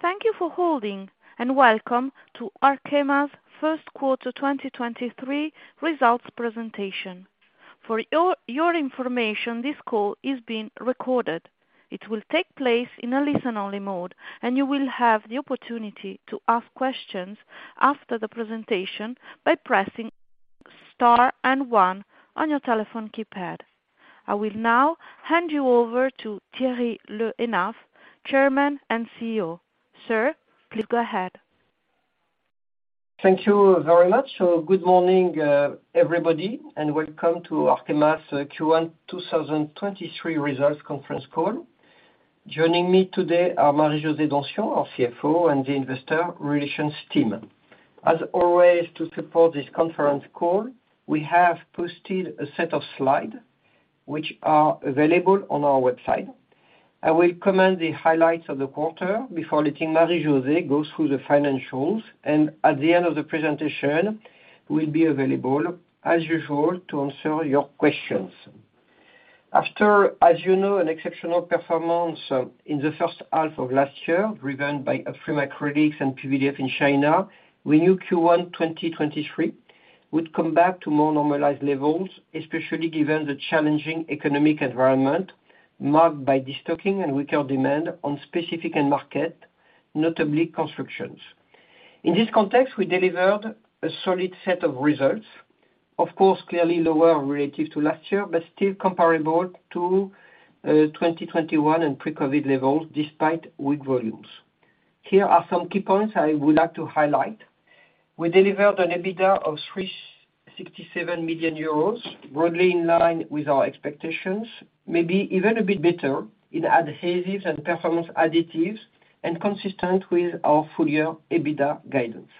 Thank you for holding. Welcome to Arkema's first quarter 2023 results presentation. For your information, this call is being recorded. It will take place in a listen-only mode. You will have the opportunity to ask questions after the presentation by pressing star one on your telephone keypad. I will now hand you over to Thierry Le Hénaff, Chairman and CEO. Sir, please go ahead. Thank you very much. Good morning, everybody, and welcome to Arkema's Q1 2023 results conference call. Joining me today are Marie-José Donsion, our CFO, and the investor relations team. As always, to support this conference call, we have posted a set of slides which are available on our website. I will comment the highlights of the quarter before letting Marie-José go through the financials. At the end of the presentation, we'll be available as usual to answer your questions. After, as you know, an exceptional performance in the first half of last year, driven by upstream acrylics and PVDF in China, we knew Q1 2023 would come back to more normalized levels, especially given the challenging economic environment marked by destocking and weaker demand on specific end market, notably constructions. In this context, we delivered a solid set of results, of course, clearly lower relative to last year, but still comparable to 2021 and pre-COVID levels despite weak volumes. Here are some key points I would like to highlight. We delivered an EBITDA of 367 million euros, broadly in line with our expectations, maybe even a bit better in adhesives and Performance Additives and consistent with our full year EBITDA guidance.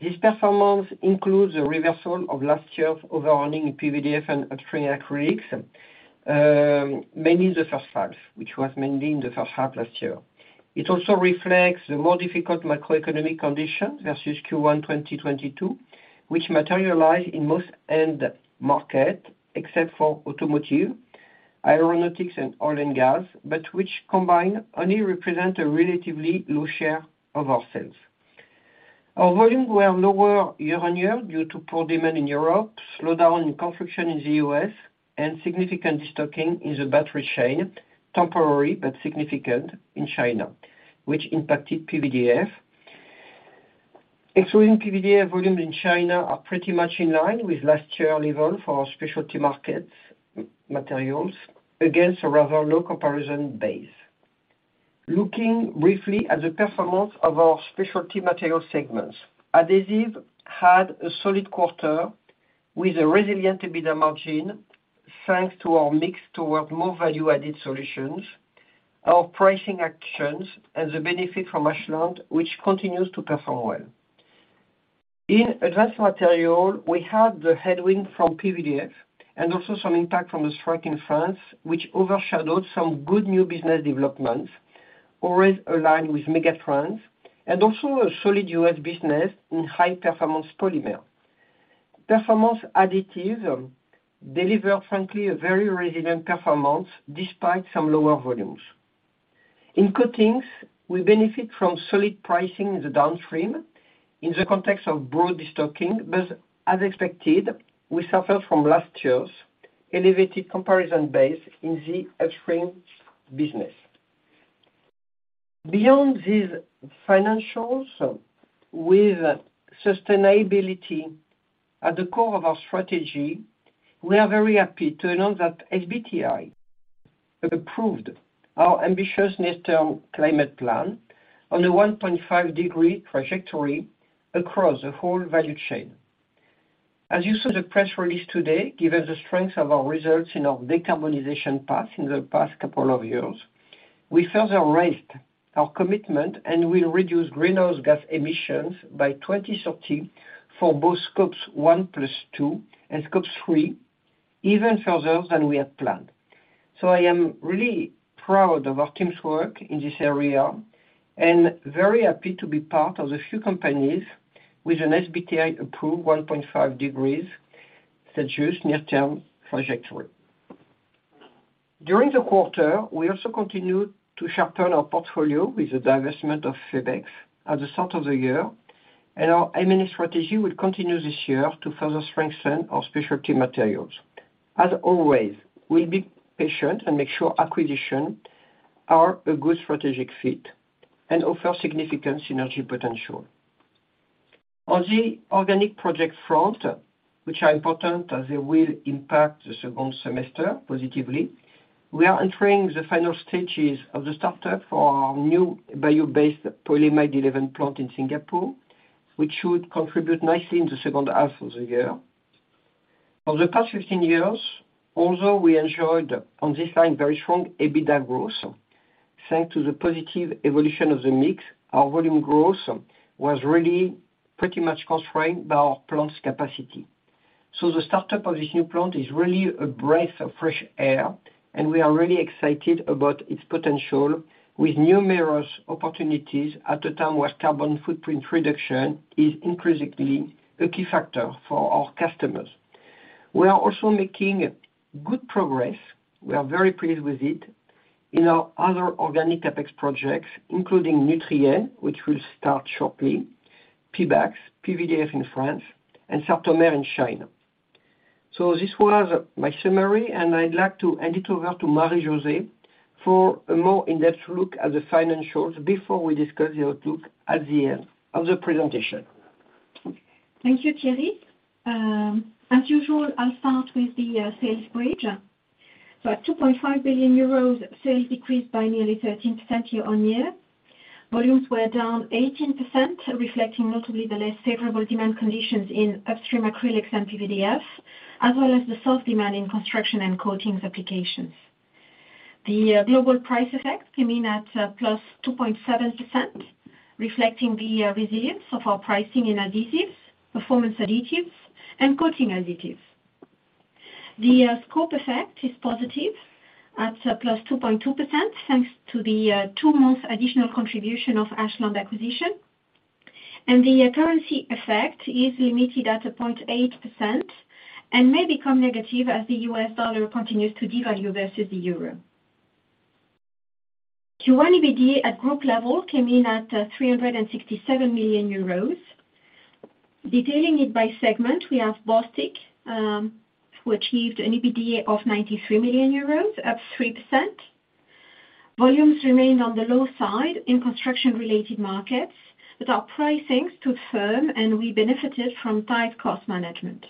This performance includes a reversal of last year's overearning in PVDF and upstream acrylics, mainly in the first half, which was mainly in the first half last year. It also reflects the more difficult macroeconomic conditions versus Q1 2022, which materialize in most end market except for automotive, aeronautics and oil and gas, but which combined only represent a relatively low share of our sales. Our volumes were lower year-on-year due to poor demand in Europe, slowdown in construction in the U.S., and significant destocking in the battery chain, temporary but significant in China, which impacted PVDF. Excluding PVDF, volumes in China are pretty much in line with last year level for our specialty markets materials against a rather low comparison base. Looking briefly at the performance of our specialty material segments. Adhesive had a solid quarter with a resilient EBITDA margin, thanks to our mix towards more value-added solutions, our pricing actions, and the benefit from Ashland, which continues to perform well. In Advanced Materials, we had the headwind from PVDF and also some impact from the strike in France, which overshadowed some good new business developments, always aligned with mega trends and also a solid U.S. business in high-performance polymer. Performance Additives delivered frankly a very resilient performance despite some lower volumes. In coatings, we benefit from solid pricing in the downstream in the context of broad destocking. As expected, we suffered from last year's elevated comparison base in the upstream business. Beyond these financials, with sustainability at the core of our strategy, we are very happy to announce that SBTi approved our ambitious near-term climate plan on the 1.5 degree trajectory across the whole value chain. As you saw the press release today, given the strength of our results in our decarbonization path in the past couple of years, we further raised our commitment and will reduce greenhouse gas emissions by 2030 for both Scope 1+2 and Scope 3 even further than we had planned. I am really proud of our team's work in this area and very happy to be part of the few companies with an SBTi approved 1.5 degrees status near-term trajectory. During the quarter, we also continued to sharpen our portfolio with the divestment of Febex at the start of the year. Our M&A strategy will continue this year to further strengthen our specialty materials. As always, we'll be patient and make sure acquisitions are a good strategic fit and offer significant synergy potential. On the organic project front, which are important as they will impact the second semester positively, we are entering the final stages of the startup for our new bio-based Polyamide 11 plant in Singapore, which should contribute nicely in the second half of the year. For the past 15 years, although we enjoyed on this line very strong EBITDA growth, thanks to the positive evolution of the mix, our volume growth was really pretty much constrained by our plant's capacity. The startup of this new plant is really a breath of fresh air, and we are really excited about its potential with numerous opportunities at a time where carbon footprint reduction is increasingly a key factor for our customers. We are also making good progress. We are very pleased with it in our other organic CapEx projects, including Nutrien, which will start shortly, Pebax, PVDF in France and Sartomer in China. This was my summary, and I'd like to hand it over to Marie-José for a more in-depth look at the financials before we discuss the outlook at the end of the presentation. Thank you, Thierry Le Hénaff. As usual, I'll start with the sales bridge. At 2.5 billion euros, sales decreased by nearly 13% year-over-year. Volumes were down 18%, reflecting notably the less favorable demand conditions in upstream acrylics and PVDF, as well as the soft demand in construction and coatings applications. The global price effect came in at +2.7%, reflecting the resilience of our pricing in adhesives, Performance Additives, and coating additives. The scope effect is positive at +2.2%, thanks to the two-month additional contribution of Ashland Inc acquisition. The currency effect is limited at 0.8% and may become negative as the US dollar continues to devalue versus the euro. Q1 EBITDA at group level came in at 367 million euros. Detailing it by segment, we have Bostik, who achieved an EBITDA of 93 million euros, up 3%. Volumes remained on the low side in construction-related markets, but our pricing stood firm, and we benefited from tight cost management.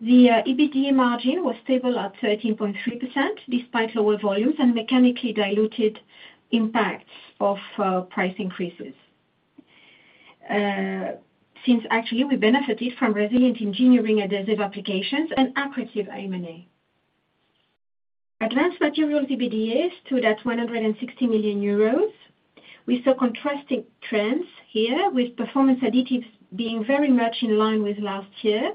The EBITDA margin was stable at 13.3%, despite lower volumes and mechanically diluted impacts of price increases. Since actually we benefited from resilient engineering adhesive applications and accretive M&A. Advanced Materials EBITDA stood at 160 million euros. We saw contrasting trends here, with Performance Additives being very much in line with last year.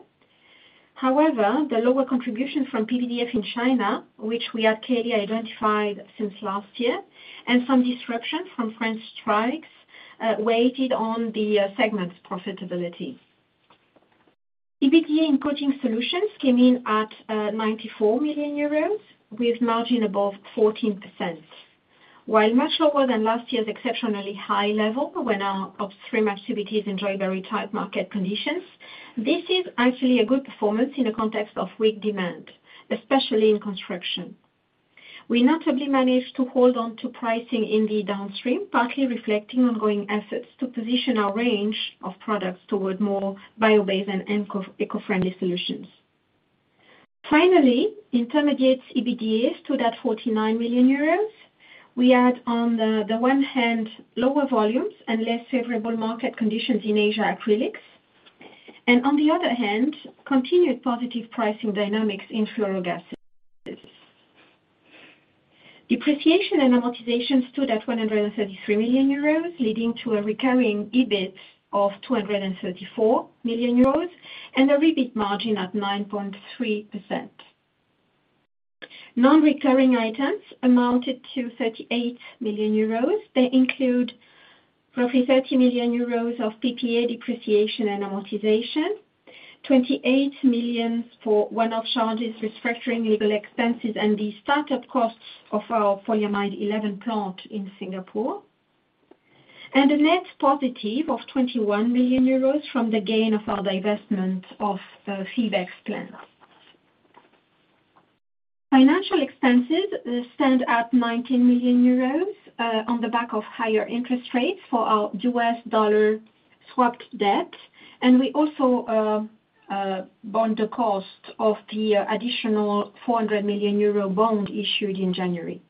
However, the lower contribution from PVDF in China, which we had clearly identified since last year, and some disruption from French strikes, weighted on the segment's profitability. EBITDA in Coating Solutions came in at 94 million euros with margin above 14%. While much lower than last year's exceptionally high level when our upstream activities enjoyed very tight market conditions, this is actually a good performance in the context of weak demand, especially in construction. We notably managed to hold on to pricing in the downstream, partly reflecting ongoing efforts to position our range of products toward more bio-based and eco-friendly solutions. Intermediates EBITDA stood at 49 million euros. We had, on the one hand, lower volumes and less favorable market conditions in Asia Acrylics. On the other hand, continued positive pricing dynamics in Fluorogases. Depreciation and amortization stood at 133 million euros, leading to a recurring EBIT of 234 million euros and a EBIT margin at 9.3%. Non-recurring items amounted to 38 million euros. They include roughly 30 million euros of PPA depreciation and amortization, 28 million for one-off charges, restructuring legal expenses, and the start-up costs of our Polyamide 11 plant in Singapore, and a net positive of 21 million euros from the gain of our divestment of Febex plant. Financial expenses stand at 19 million euros on the back of higher interest rates for our US dollar swapped debt. We also borne the cost of the additional 400 million euro bond issued in January.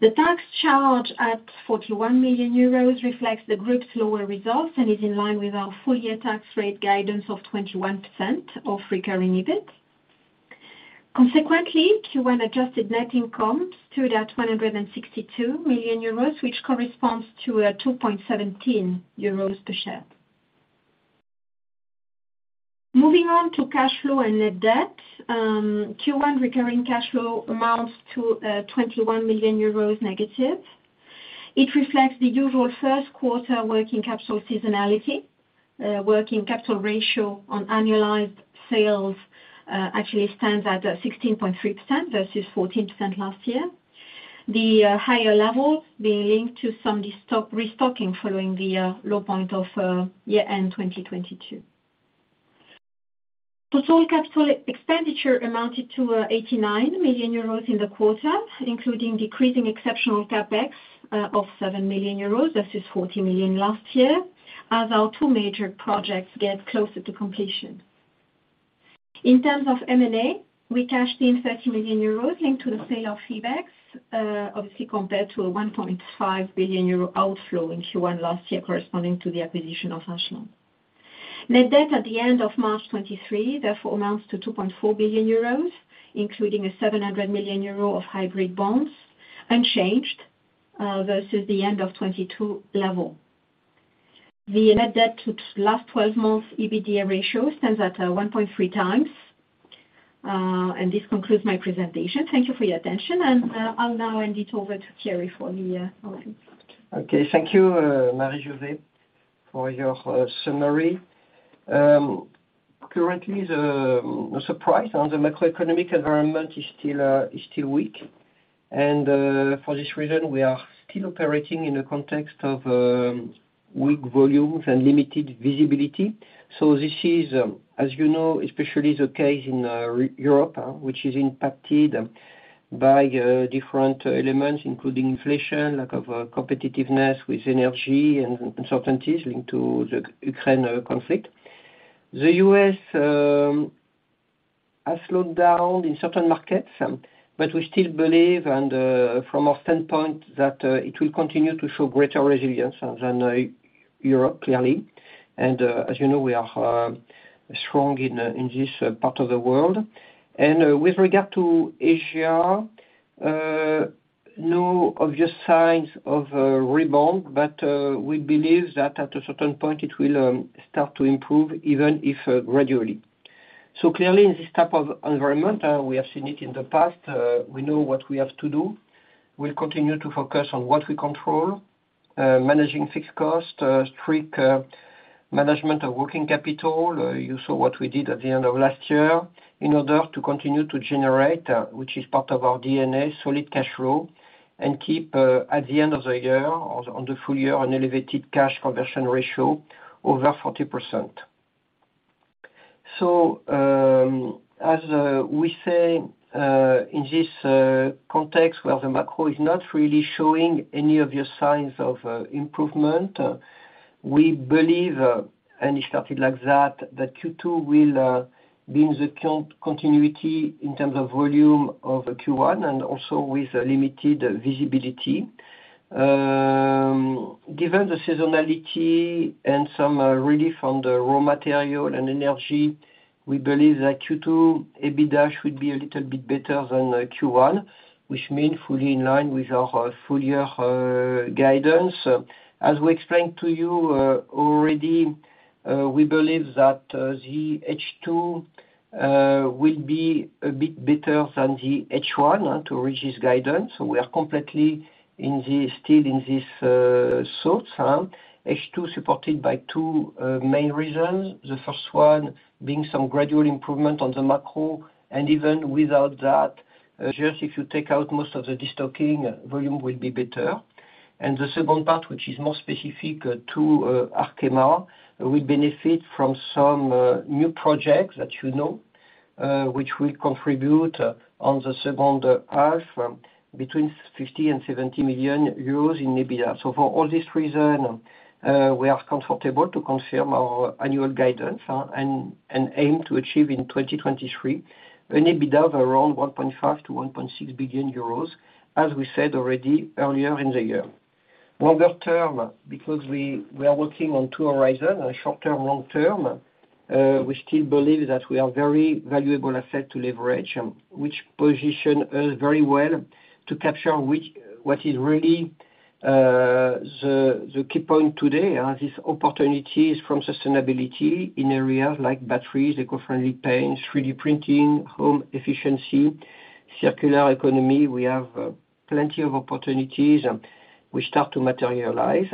The tax charge at 41 million euros reflects the group's lower results and is in line with our full-year tax rate guidance of 21% of recurring EBIT. Consequently, Q1 adjusted net income stood at 162 million euros, which corresponds to 2.17 euros per share. Moving on to cash flow and net debt. Q1 recurring cash flow amounts to 21 million euros negative. It reflects the usual first quarter working capital seasonality. Working capital ratio on annualized sales actually stands at 16.3% versus 14% last year. The higher level being linked to some restocking following the low point of year end 2022. Total capital expenditure amounted to 89 million euros in the quarter, including decreasing exceptional CapEx of 7 million euros versus 14 million last year, as our two major projects get closer to completion. In terms of M&A, we cashed in 30 million euros linked to the sale of Febex obviously compared to a 1.5 billion euro outflow in Q1 last year corresponding to the acquisition of Ashland. Net debt at the end of March 2023 therefore amounts to 2.4 billion euros, including a 700 million euro of hybrid bonds, unchanged, versus the end of 2022 level. The net debt to last 12-month EBITDA ratio stands at 1.3 times. This concludes my presentation. Thank you for your attention and, I'll now hand it over to Thierry for the comments. Okay. Thank you, Marie-José, for your summary. Currently the surprise on the macroeconomic environment is still weak. For this reason, we are still operating in a context of weak volumes and limited visibility. This is, as you know, especially the case in Europe, which is impacted by different elements, including inflation, lack of competitiveness with energy and certainties into the Ukraine conflict. The U.S. has slowed down in certain markets, we still believe and from our standpoint, that it will continue to show greater resilience than Europe, clearly. As you know, we are strong in this part of the world. With regard to Asia, no obvious signs of a rebound, but we believe that at a certain point it will start to improve, even if gradually. Clearly in this type of environment, we have seen it in the past, we know what we have to do. We'll continue to focus on what we control, managing fixed cost, strict management of working capital. You saw what we did at the end of last year in order to continue to generate, which is part of our DNA, solid cash flow, and keep at the end of the year or on the full year, an elevated cash conversion ratio over 40%. As we say in this context where the macro is not really showing any obvious signs of improvement, we believe any started like that Q2 will be in the continuity in terms of volume of Q1 and also with limited visibility. Given the seasonality and some relief on the raw material and energy, we believe that Q2, EBITDA should be a little bit better than Q1, which mean fully in line with our full year guidance. As we explained to you already, we believe that the H2 will be a bit better than the H1 to reach this guidance. We are completely still in this thought. H2 supported by two main reasons, the first one being some gradual improvement on the macro. Even without that, just if you take out most of the destocking, volume will be better. The second part, which is more specific, to Arkema, will benefit from some new projects that you know, which will contribute on the second half between 50 million-70 million euros in EBITDA. For all this reason, we are comfortable to confirm our annual guidance, and aim to achieve in 2023 an EBITDA of around 1.5 billion-1.6 billion euros, as we said already earlier in the year. Longer term, because we are working on two horizon, a short-term, long-term, we still believe that we are very valuable asset to leverage, which position us very well to capture what is really the key point today, this opportunities from sustainability in areas like batteries, eco-friendly paints, 3D printing, home efficiency, circular economy. We have plenty of opportunities which start to materialize.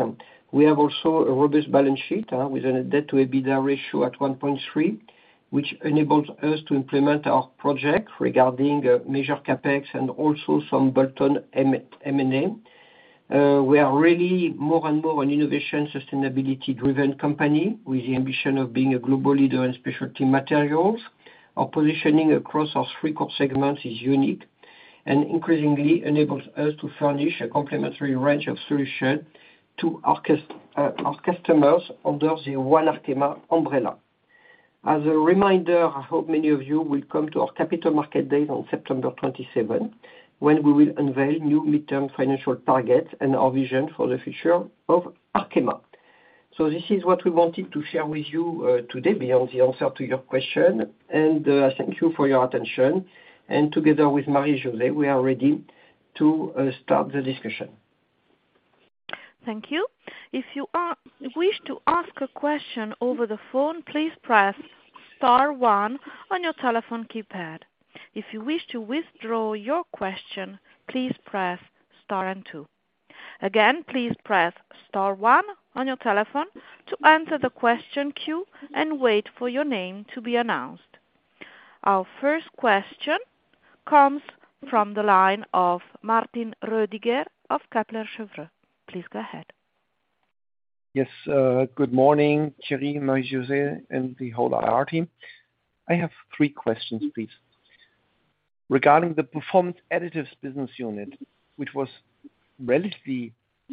We have also a robust balance sheet with a debt to EBITDA ratio at 1.3, which enables us to implement our project regarding major CapEx and also some bolt-on M&A. We are really more and more an innovation, sustainability-driven company with the ambition of being a global leader in specialty materials. Our positioning across our three core segments is unique and increasingly enables us to furnish a complimentary range of solution to our customers under the One Arkema umbrella. As a reminder, I hope many of you will come to our capital market day on September 27th, when we will unveil new midterm financial targets and our vision for the future of Arkema. This is what we wanted to share with you today beyond the answer to your question, and thank you for your attention. Together with Marie-José, we are ready to start the discussion. Thank you. If you wish to ask a question over the phone, please press star one on your telephone keypad. If you wish to withdraw your question, please press star and two. Again, please press star one on your telephone to enter the question queue and wait for your name to be announced. Our first question comes from the line of Martin Roediger of Kepler Cheuvreux. Please go ahead. Yes. Good morning, Thierry, Marie-José, and the whole IR team. I have three questions, please. Regarding the Performance Additives business unit, which was relatively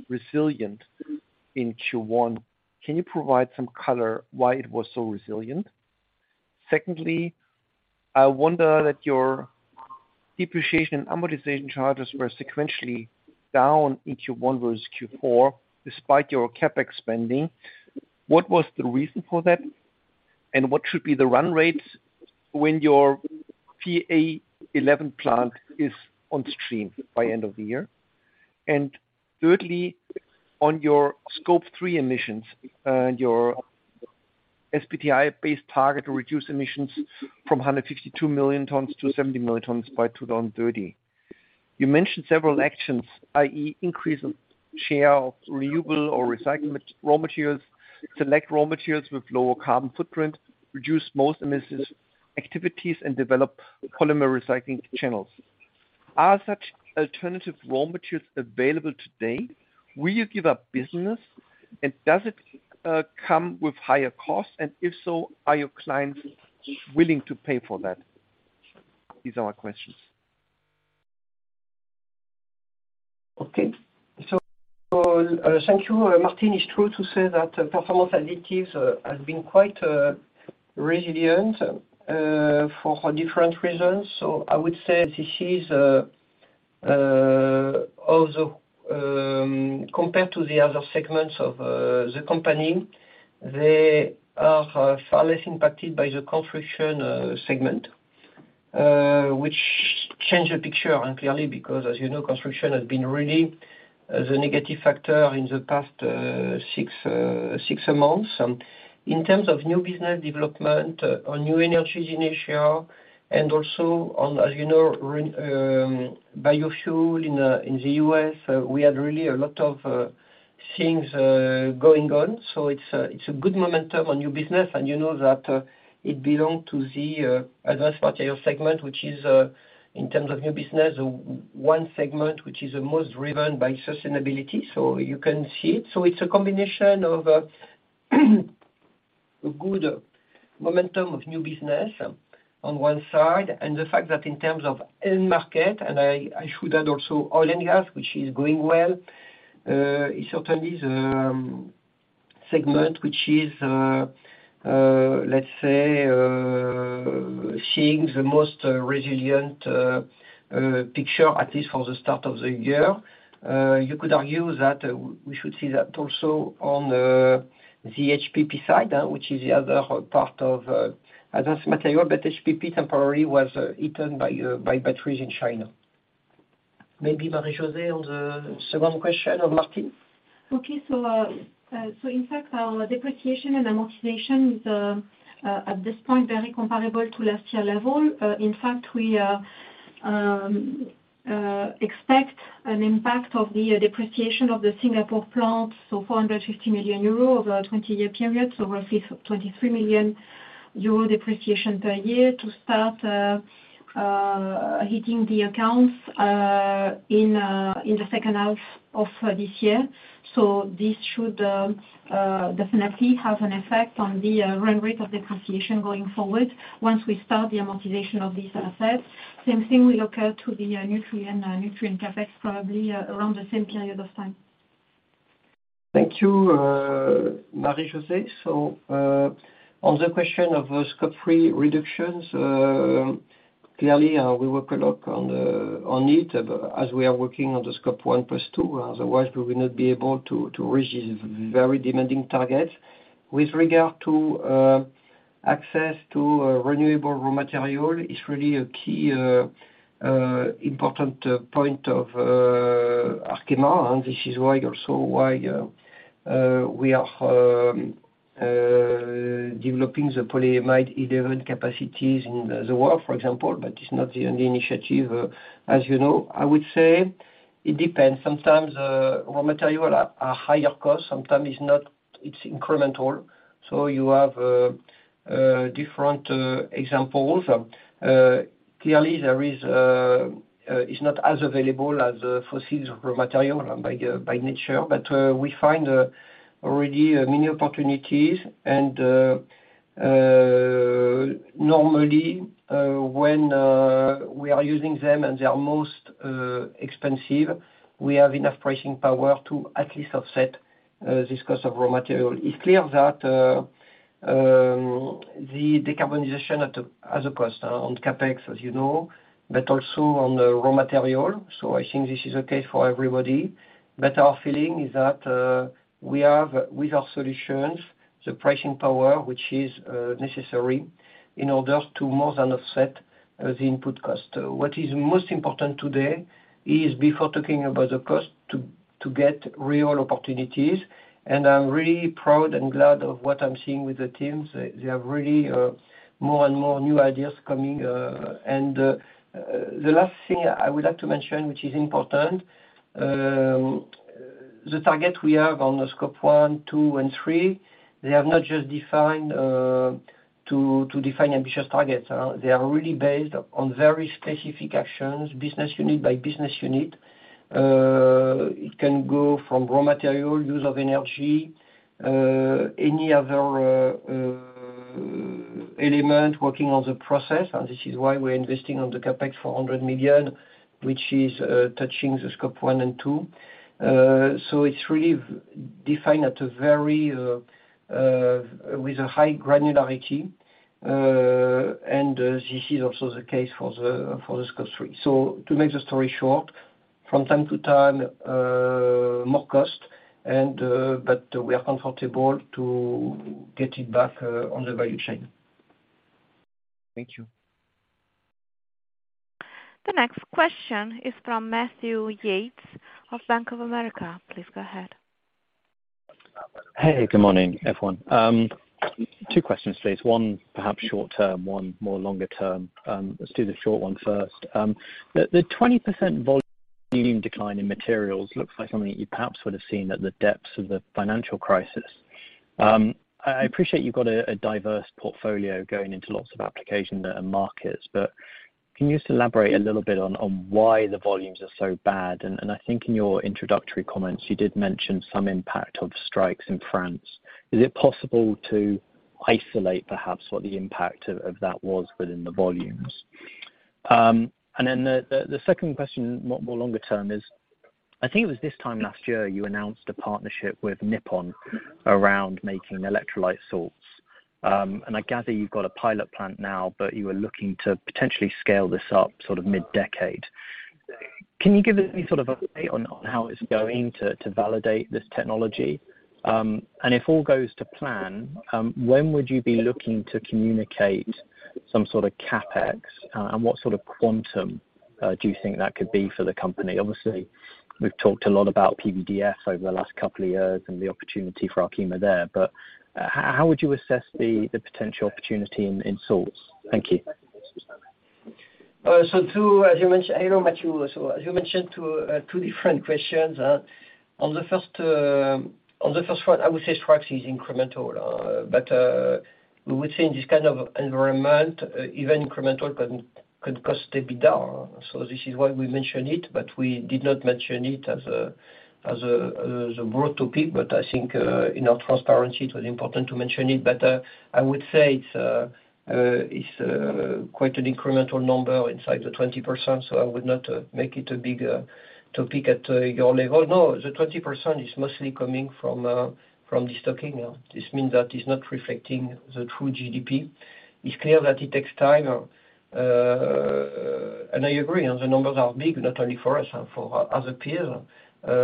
resilient in Q1, can you provide some color why it was so resilient? Secondly, I wonder that your depreciation and amortization charges were sequentially down in Q1 versus Q4, despite your CapEx spending. What was the reason for that? What should be the run rate when your PA11 plant is on stream by end of the year? Thirdly, on your Scope 3 emissions, your SBTi based target to reduce emissions from 152 million tons to 70 million tons by 2030. You mentioned several actions, i.e., increase of share of renewable or recycled raw materials, select raw materials with lower carbon footprint, reduce most emissions activities, and develop polymer recycling channels. Are such alternative raw materials available today? Will you give up business and does it come with higher costs? If so, are your clients willing to pay for that? These are our questions. Okay. Thank you, Martin. It's true to say that Performance Additives has been quite resilient for different reasons. I would say this is also compared to the other segments of the company, they are far less impacted by the construction segment, which changed the picture, and clearly because as you know, construction has been really the negative factor in the past six months. In terms of new business development on New Energies in Asia and also on, as you know, biofuel in the U.S., we had really a lot of things going on. It's a good momentum on new business. You know that, it belong to the Advanced Materials segment, which is in terms of new business, one segment, which is the most driven by sustainability, so you can see it. It's a combination of a good momentum of new business on one side, and the fact that in terms of end market, and I should add also oil and gas, which is going well, it certainly is segment which is, let's say, seeing the most resilient picture, at least for the start of the year. You could argue that, we should see that also on the HPP side, which is the other part of Advanced Materials, but HPP temporarily was eaten by batteries in China. Maybe Marie-José on the second question of Martin. Okay. In fact, our depreciation and amortization is at this point very comparable to last year level. In fact, we expect an impact of the depreciation of the Singapore plant, 450 million euro over a 20-year period, so roughly 23 million euro depreciation per year to start hitting the accounts in the second half of this year. This should definitely have an effect on the run rate of depreciation going forward once we start the amortization of these assets. Same thing will occur to the Nutrien CapEx probably around the same period of time. Thank you, Marie-José. On the question of Scope 3 reductions, clearly, we work a lot on it as we are working on the Scope 1+ 2, otherwise we will not be able to reach these very demanding targets. With regard to access to renewable raw material is really a key important point of Arkema. This is why also why we are developing the Polyamide 11 capacities in the world, for example, but it's not the only initiative, as you know. I would say it depends. Sometimes, raw material are higher cost, sometimes it's not, it's incremental. You have different examples. Clearly there is, it's not as available as fossils raw material by nature. We find already many opportunities and normally when we are using them and they are most expensive, we have enough pricing power to at least offset this cost of raw material. It's clear that the decarbonization has a cost on CapEx, as you know, but also on the raw material. I think this is okay for everybody. Our feeling is that we have with our solutions, the pricing power, which is necessary in order to more than offset the input cost. What is most important today is before talking about the cost to get real opportunities, and I'm really proud and glad of what I'm seeing with the teams. They are really more and more new ideas coming. The last thing I would like to mention, which is important, the target we have on the Scope 1, 2, and 3, they have not just defined to define ambitious targets. They are really based on very specific actions, business unit by business unit. It can go from raw material, use of energy, any other element working on the process, and this is why we're investing on the CapEx 400 million, which is touching the Scope 1 and 2. It's really defined at a very with a high granularity. This is also the case for the, for the Scope 3. To make the story short, from time to time, more cost and, but we are comfortable to get it back on the value chain. Thank you. The next question is from Matthew Yates of Bank of America. Please go ahead. Hey, good morning, everyone. Two questions, please. One perhaps short term, one more longer term. Let's do the short one first. The 20% volume decline in Advanced Materials looks like something that you perhaps would have seen at the depths of the financial crisis. I appreciate you've got a diverse portfolio going into lots of applications and markets, but can you just elaborate a little bit on why the volumes are so bad? I think in your introductory comments, you did mention some impact of strikes in France. Is it possible to isolate perhaps what the impact of that was within the volumes? Then the second question, more longer term is I think it was this time last year, you announced a partnership with Nippon Shokubai around making electrolyte salts. I gather you've got a pilot plant now, but you were looking to potentially scale this up sort of mid-decade. Can you give me sort of update on how it's going to validate this technology? If all goes to plan, when would you be looking to communicate some sort of CapEx, and what sort of quantum, do you think that could be for the company? Obviously, we've talked a lot about PVDF over the last couple of years and the opportunity for Arkema there, but how would you assess the potential opportunity in salts? Thank you. Two, as you mentioned, I know Matthew, as you mentioned two different questions. On the first, on the first one, I would say strikes is incremental. We would say in this kind of environment, even incremental can, could cost EBITDA. This is why we mentioned it, but we did not mention it as a broad topic. I think, in our transparency, it was important to mention it. I would say it's quite an incremental number inside the 20%, so I would not make it a big topic at your level. The 20% is mostly coming from the stocking. This means that it's not reflecting the true GDP. It's clear that it takes time. I agree on the numbers are big, not only for us and for other peers,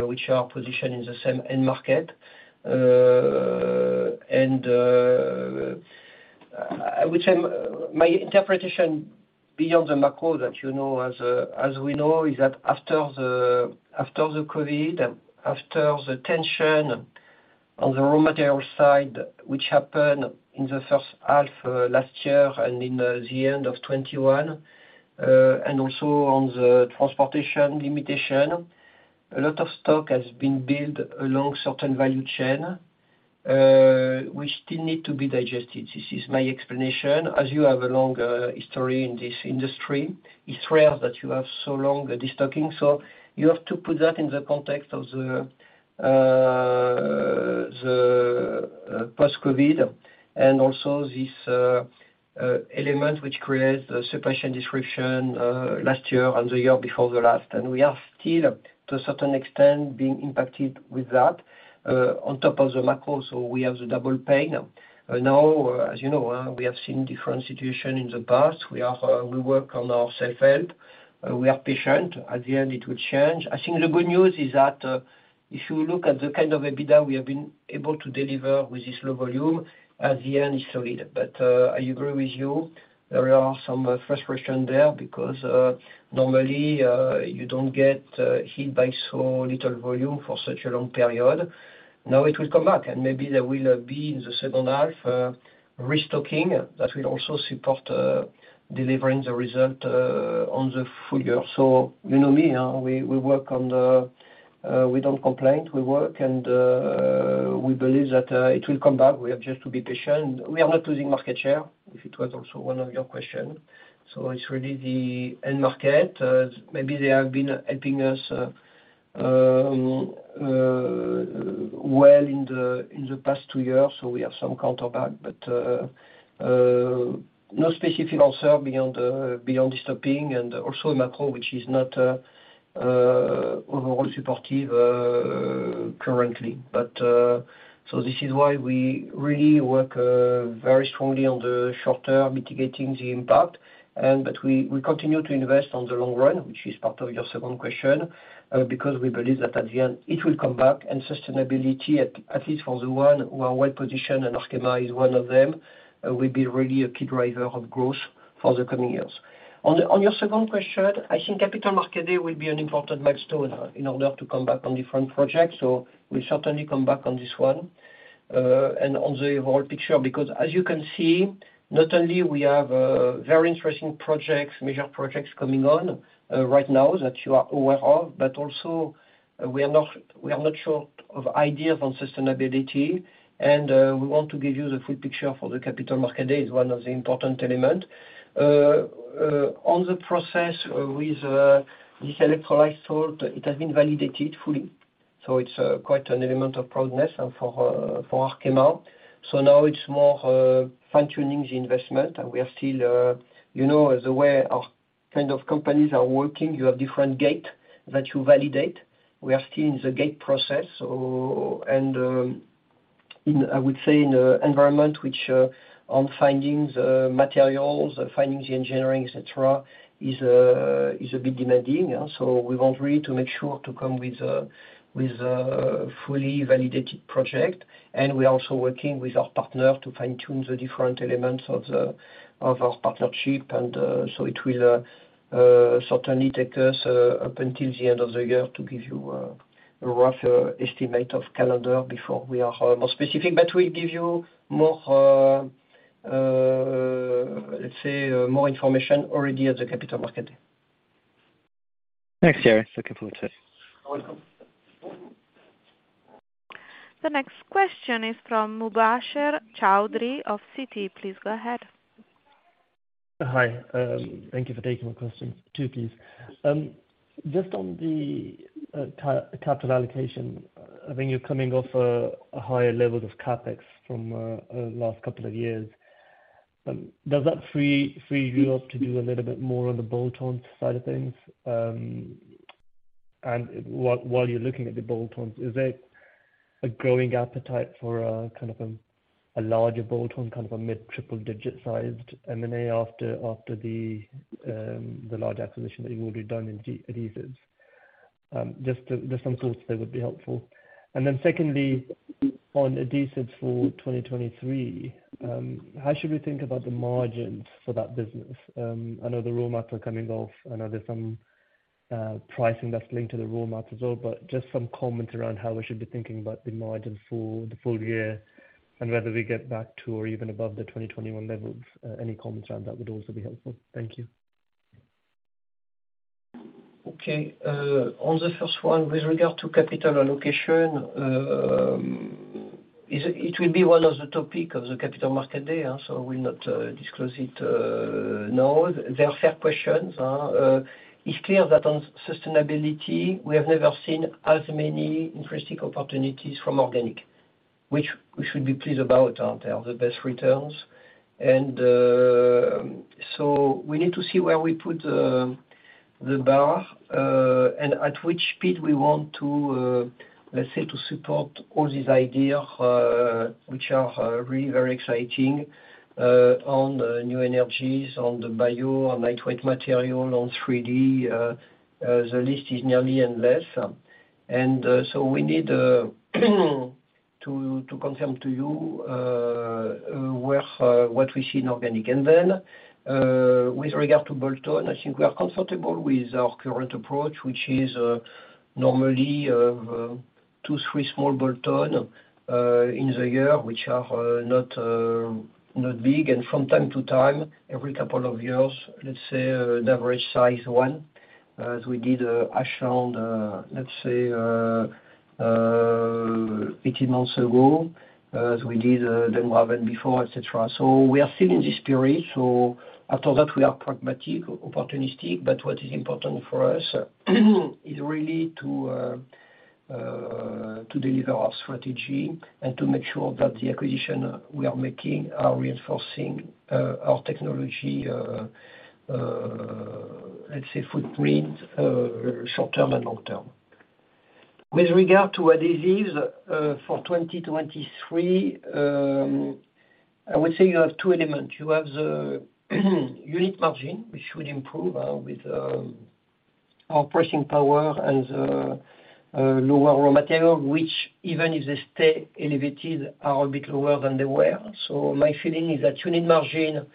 which are positioned in the same end market. My interpretation beyond the macro that you know, as we know, is that after the, after the COVID, after the tension on the raw material side, which happened in the first half, last year and in the end of 2021, and also on the transportation limitation, a lot of stock has been built along certain value chain, which still need to be digested. This is my explanation. As you have a long history in this industry, it's rare that you have so long de-stocking. You have to put that in the context of the post-COVID and also this element which created the separation disruption last year and the year before the last. We are still to a certain extent being impacted with that on top of the macro. We have the double pain. As you know, we have seen different situation in the past. We are, we work on our self-help. We are patient. At the end, it will change. I think the good news is that if you look at the kind of EBITDA we have been able to deliver with this low volume, at the end, it's solid. I agree with you, there are some frustration there because normally, you don't get hit by so little volume for such a long period. It will come back, and maybe there will be in the second half, restocking that will also support delivering the result on the full year. You know me, we work on the, we don't complain, we work and we believe that it will come back. We have just to be patient. We are not losing market share, if it was also one of your question. It's really the end market. Maybe they have been helping us, well in the past two years, so we have some counter back. No specific answer beyond beyond the stopping and also macro, which is not overall supportive currently. This is why we really work very strongly on the short term mitigating the impact and we continue to invest on the long run, which is part of your second question, because we believe that at the end, it will come back and sustainability, at least for the one who are well positioned, and Arkema is one of them, will be really a key driver of growth for the coming years. On your second question, I think Capital Market Day will be an important milestone in order to come back on different projects. We'll certainly come back on this one, and on the whole picture because as you can see, not only we have very interesting projects, major projects coming on right now that you are aware of, but also we are not short of ideas on sustainability. We want to give you the full picture for the Capital Market Day. It's one of the important element. On the process with this electrolyte salt, it has been validated fully. It's quite an element of proudness for Arkema. Now it's more fine-tuning the investment. We are still, you know, the way our kind of companies are working, you have different gate that you validate. We are still in the gate process. In, I would say, in an environment which on findings, materials, findings engineering, et cetera, is a bit demanding. We want really to make sure to come with a fully validated project. We're also working with our partner to fine-tune the different elements of our partnership. It will certainly take us up until the end of the year to give you a rough estimate of calendar before we are more specific. We give you more, let's say more information already at the capital market. Thanks, Thierry. Looking forward to it. Welcome. The next question is from Mubasher Chaudhry of Citi. Please go ahead. Hi. Thank you for taking my question. Two, please. Just on the capital allocation, I think you're coming off a higher level of CapEx from last couple of years. Does that free you up to do a little bit more on the bolt-on side of things? While you're looking at the bolt-ons, is there a growing appetite for a kind of a larger bolt-on, kind of a mid-triple digit sized M&A after the large acquisition that you've already done in adhesives? Just some thoughts there would be helpful. Then secondly, on adhesives for 2023, how should we think about the margins for that business? I know the raw mats are coming off. I know there's some, pricing that's linked to the raw mats as well, but just some comments around how we should be thinking about the margins for the full year and whether we get back to or even above the 2021 levels. Any comments around that would also be helpful. Thank you. Okay, on the first one, with regard to capital allocation, it will be one of the topic of the capital market day, I will not disclose it now. They are fair questions. It's clear that on sustainability, we have never seen as many interesting opportunities from organic, which we should be pleased about. They are the best returns. We need to see where we put the bar and at which speed we want to let's say to support all these ideas, which are really very exciting, on New Energies, on the bio, on lightweight material, on 3D, the list is nearly endless. We need to confirm to you where what we see in organic. With regard to bolt-on, I think we are comfortable with our current approach, which is normally two, three small bolt-on in the year, which are not big. From time to time, every couple of years, let's say an average size one, as we did Ashland, let's say, 18 months ago, as we did the Moen before, et cetera. We are still in this period. After that we are pragmatic, opportunistic, but what is important for us is really to deliver our strategy and to make sure that the acquisition we are making are reinforcing our technology, let's say footprint, short-term and long-term. With regard to adhesives, for 2023, I would say you have two elements. You have the unit margin, which should improve with our pricing power and lower raw material, which even if they stay elevated, are a bit lower than they were. My feeling is that unit margin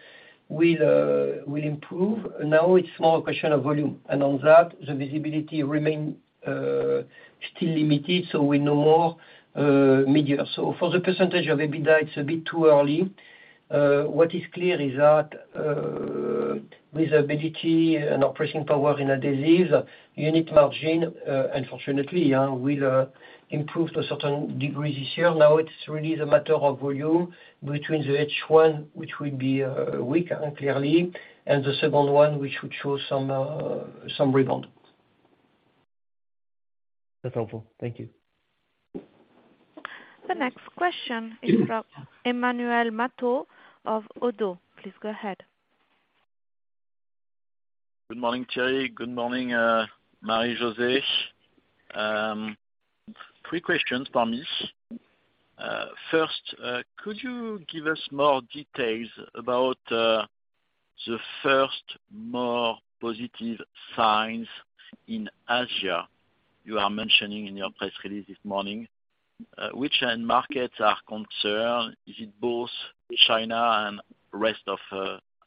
will improve. Now it's more a question of volume. On that, the visibility remain still limited, so we know more midyear. For the percentage of EBITDA, it's a bit too early. What is clear is that with ability and operating power in adhesives, unit margin, unfortunately, will improve to a certain degree this year. Now it's really the matter of volume between the H1, which will be weaker clearly, and the second one, which should show some rebound. That's helpful. Thank you. The next question is from Emmanuel Matot of ODDO BHF. Please go ahead. Good morning, Thierry. Good morning, Marie-José. Three questions, promise. First, could you give us more details about the first more positive signs in Asia you are mentioning in your press release this morning? Which end markets are concerned? Is it both China and rest of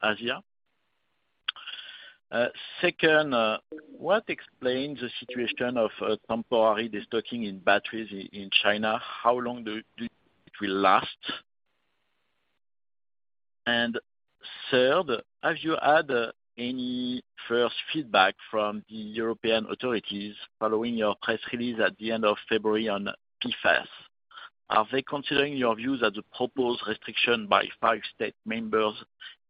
Asia? Second, what explains the situation of temporary destocking in batteries in China? How long do you think it will last? Third, have you had any first feedback from the European authorities following your press release at the end of February on PFAS? Are they considering your view that the proposed restriction by five state members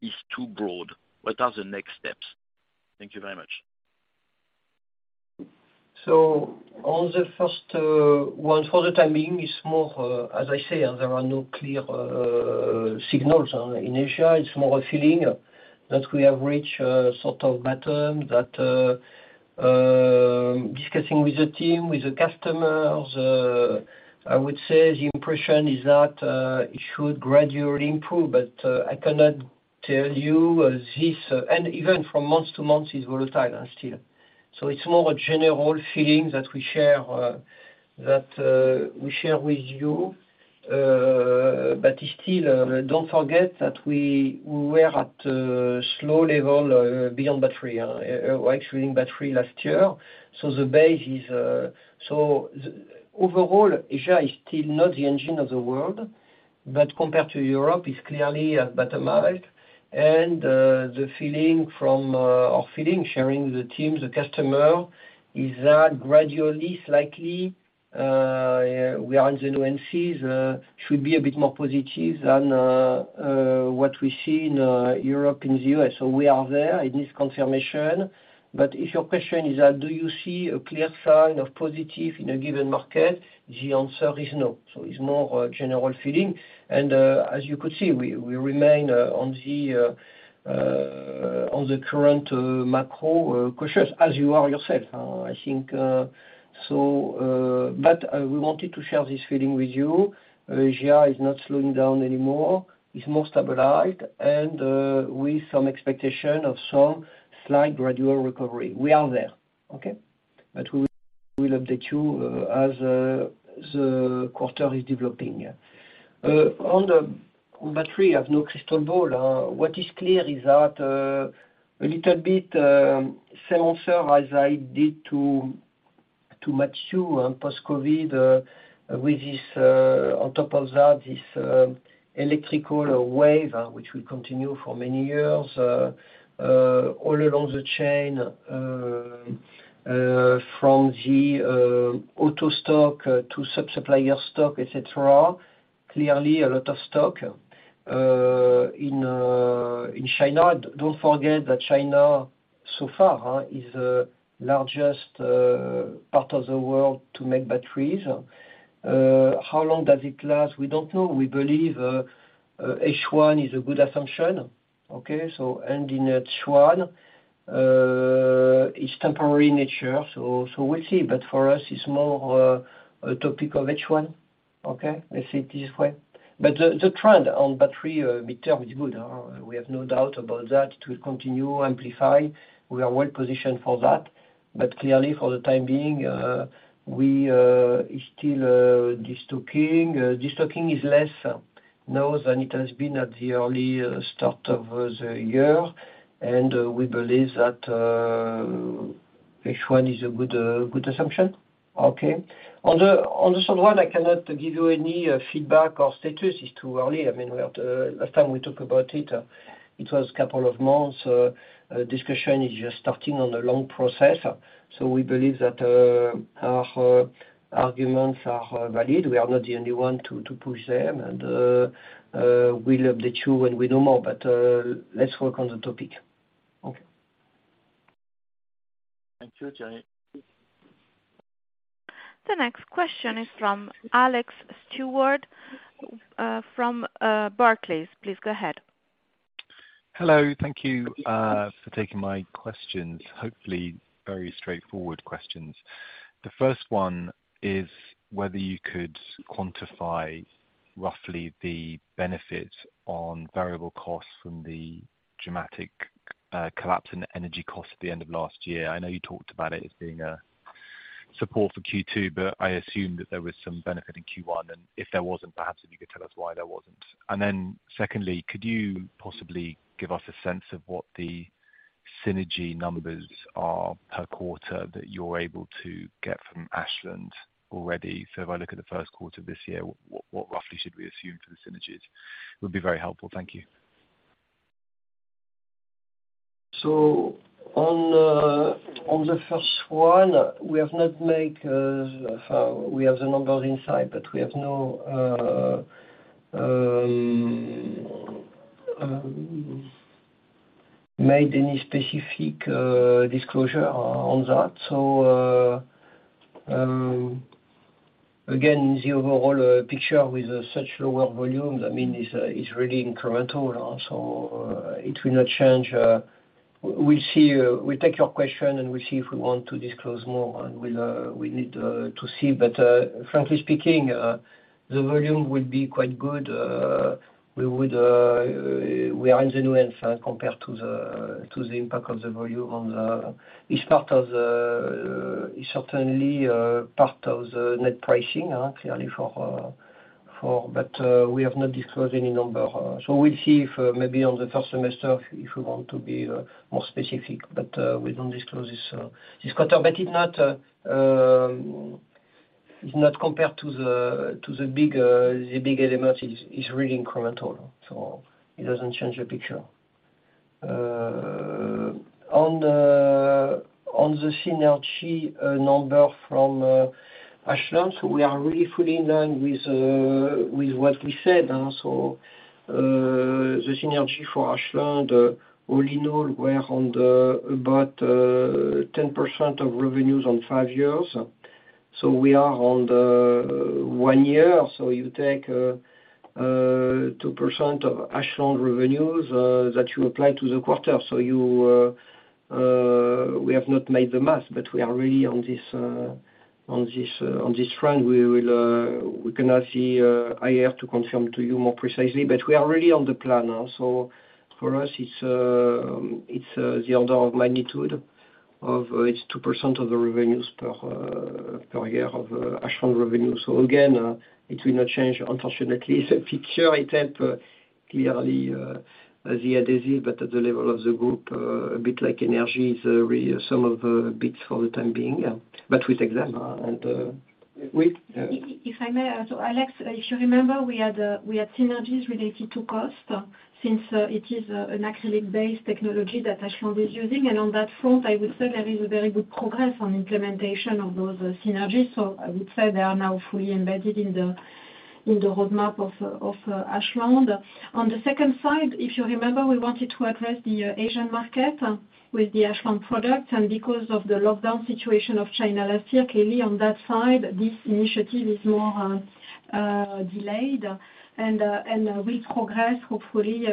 is too broad? What are the next steps? Thank you very much. On the first one, for the time being, it's more as I say, there are no clear signals in Asia. It's more a feeling that we have reached a sort of bottom that discussing with the team, with the customers, I would say the impression is that it should gradually improve, but I cannot tell you this, and even from month to month is volatile still. It's more a general feeling that we share that we share with you. But still, don't forget that we were at a slow level beyond battery, excluding battery last year. The base is. Overall, Asia is still not the engine of the world, but compared to Europe, it's clearly bottomized. The feeling from our feeling sharing the team, the customer, is that gradually, slightly, we are in the new NC, should be a bit more positive than what we see in Europe and the U.S. We are there. It needs confirmation. If your question is that, do you see a clear sign of positive in a given market? The answer is no. It's more a general feeling. As you could see, we remain on the current macro cautious, as you are yourself, I think. We wanted to share this feeling with you. Asia is not slowing down anymore. It's more stabilized and with some expectation of some slight gradual recovery. We are there, okay? We will update you as the quarter is developing. On the battery, I have no crystal ball. What is clear is that a little bit, same answer as I did to Matthew on post-COVID, with this on top of that, this electrical wave, which will continue for many years all along the chain from the auto stock to sub-supplier stock, etc. Clearly a lot of stock in China. Don't forget that China so far, huh, is the largest part of the world to make batteries. How long does it last? We don't know. We believe H1 is a good assumption, okay? Ending at H1 is temporary in nature, so we'll see. For us, it's more a topic of H1, okay? Let's see it this way. The trend on battery midterm is good. We have no doubt about that. It will continue, amplify. We are well positioned for that. Clearly, for the time being, we still destocking. Destocking is less now than it has been at the early start of the year. We believe that H1 is a good assumption. On the solid run, I cannot give you any feedback or status. It's too early. I mean, we have to. Last time we talk about it was a couple of months. Discussion is just starting on a long process. We believe that our arguments are valid. We are not the only one to push them. We'll update you when we know more. Let's work on the topic. Okay. Thank you, Thierry. The next question is from Alex Stewart, from Barclays. Please go ahead. Hello. Thank you for taking my questions, hopefully very straightforward questions. The first one is whether you could quantify roughly the benefit on variable costs from the dramatic collapse in energy costs at the end of last year. I know you talked about it as being a support for Q2, but I assumed that there was some benefit in Q1, and if there wasn't, perhaps if you could tell us why there wasn't. Secondly, could you possibly give us a sense of what the synergy numbers are per quarter that you're able to get from Ashland already? If I look at the first quarter this year, what roughly should we assume for the synergies? Would be very helpful. Thank you. On the first one, we have not make, we have the numbers inside, but we have no made any specific disclosure on that. Again, the overall picture with such lower volumes, I mean, is really incremental. It will not change. We'll see. We'll take your question, and we'll see if we want to disclose more and we'll, we need to see. Frankly speaking, the volume will be quite good. We would, we are in the nuance compared to the, to the impact of the volume on the, it's part of the, it's certainly part of the net pricing, clearly for, we have not disclosed any number. We'll see if maybe on the first semester, if we want to be more specific, but we don't disclose this quarter. It not, it's not compared to the big element is really incremental, so it doesn't change the picture. On the synergy number from Ashland, we are really fully in line with what we said. The synergy for Ashland, all in all, we're on the about 10% of revenues on five years. We are on the one year. You take 2% of Ashland revenues that you apply to the quarter. You, we have not made the math, but we are really on this trend. We cannot see IR to confirm to you more precisely, but we are really on the plan now. For us, it's the order of magnitude of it's 2% of the revenues per year of Ashland revenue. Again, it will not change unfortunately. It help clearly the adhesive, but at the level of the group, a bit like energy is really some of the bits for the time being, yeah. We take them, and we- If I may. Alex Stewart, if you remember, we had synergies related to cost, since it is an acrylic-based technology that Ashland was using. On that front, I would say there is a very good progress on implementation of those synergies. I would say they are now fully embedded in the roadmap of Ashland. On the second side, if you remember, we wanted to address the Asian market with the Ashland product. Because of the lockdown situation of China last year, clearly on that side, this initiative is more delayed and will progress hopefully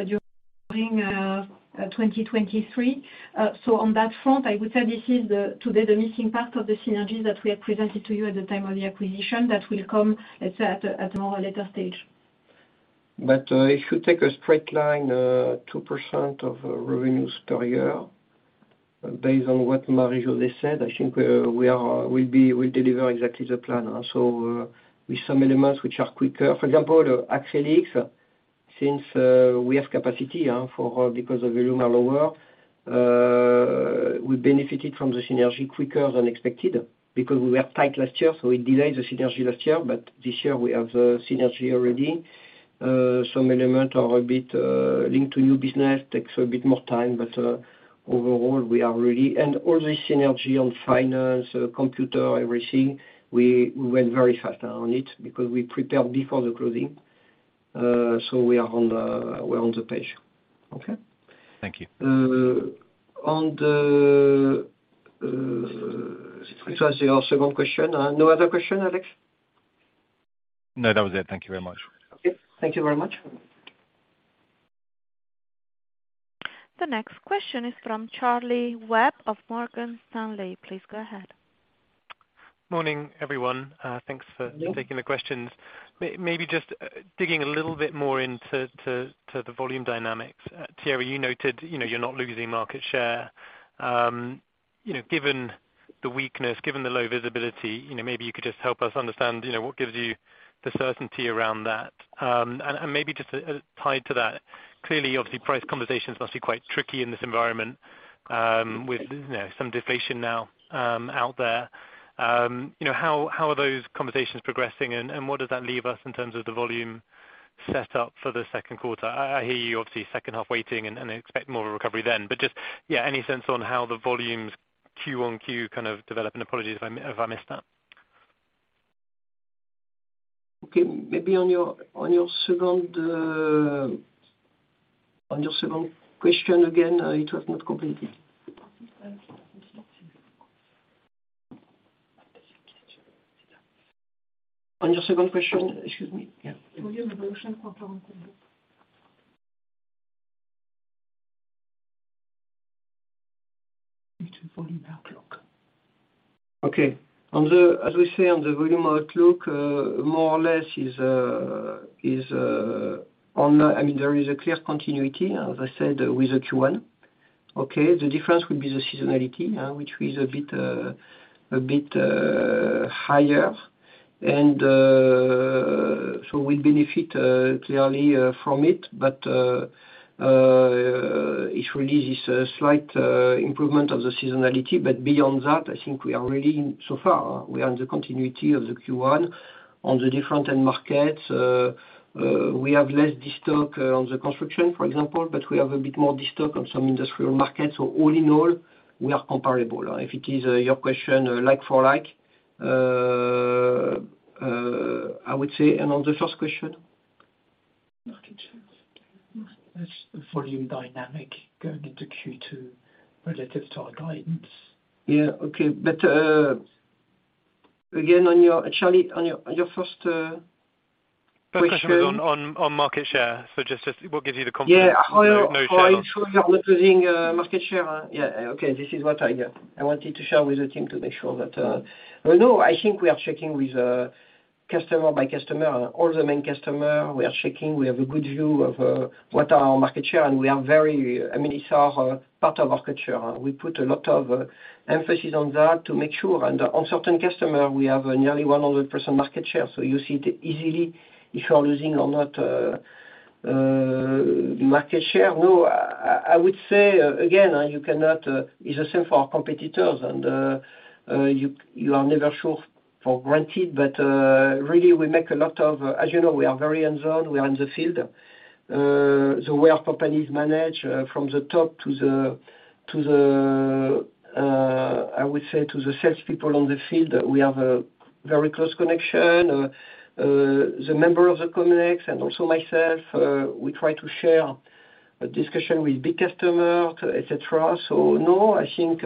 during 2023. On that front, I would say this is the, today the missing part of the synergies that we have presented to you at the time of the acquisition that will come, let's say at a more later stage. If you take a straight line, 2% of revenues per year, based on what Marie-José said, I think we'll deliver exactly the plan. With some elements which are quicker. For example, acrylics, since we have capacity, because the volume are lower, we benefited from the synergy quicker than expected because we were tight last year, so we delayed the synergy last year. This year we have the synergy already. Some element are a bit linked to new business, takes a bit more time, overall, we are really. All the synergy on finance, computer, everything, we went very fast on it because we prepared before the closing, we're on the page. Okay. Thank you. On the, it was your second question. No other question, Alex? No, that was it. Thank you very much. Okay. Thank you very much. The next question is from Charlie Webb of Morgan Stanley. Please go ahead. Morning, everyone. Yeah. Taking the questions. Maybe just digging a little bit more into the volume dynamics. Thierry, you noted, you know, you're not losing market share. Given the weakness, given the low visibility, you know, maybe you could just help us understand, you know, what gives you the certainty around that. Maybe just tied to that, clearly, obviously, price conversations must be quite tricky in this environment, with, you know, some deflation now out there. You know, how are those conversations progressing, and where does that leave us in terms of the volume set up for the second quarter? I hear you obviously second half waiting and expect more of a recovery then. Just, yeah, any sense on how the volumes Q on Q kind of develop? Apologies if I missed that. Okay. Maybe on your second question again, it was not completely, on your second question. Excuse me. Yeah. Volume evolution quarter-on-quarter. It's volume outlook. Okay. As we say on the volume outlook, more or less, I mean, there is a clear continuity, as I said, with the Q1. Okay? The difference will be the seasonality, which is a bit higher. We benefit clearly from it. It really is a slight improvement of the seasonality. Beyond that, I think we are really, so far, we are in the continuity of the Q1. On the different end markets, we have less destock on the construction, for example, but we have a bit more destock on some industrial markets. All in all, we are comparable. If it is your question like for like, I would say. On the first question? Market share. That's the volume dynamic going into Q2 relative to our guidance. Yeah. Okay. Again, Charlie, on your first question. First question was on market share. Just what gives you the confidence? Yeah. no share loss. How are you sure we are not losing market share? Yeah, okay. This is what I wanted to share with the team to make sure that. Well, no, I think we are checking with customer by customer. All the main customer, we are checking. We have a good view of what our market share, and we are I mean, it's our part of our culture. We put a lot of emphasis on that to make sure. On certain customer, we have nearly 100% market share. You see easily if you are losing or not market share. No, I would say again, you cannot, it's the same for our competitors and you are never sure for granted. Really, we make a lot of. As you know, we are very on zone. We are in the field. The way our company is managed, from the top to the, to the, I would say to the salespeople on the field, we have a very close connection. The member of the Comex and also myself, we try to share a discussion with big customer, et cetera. No, I think,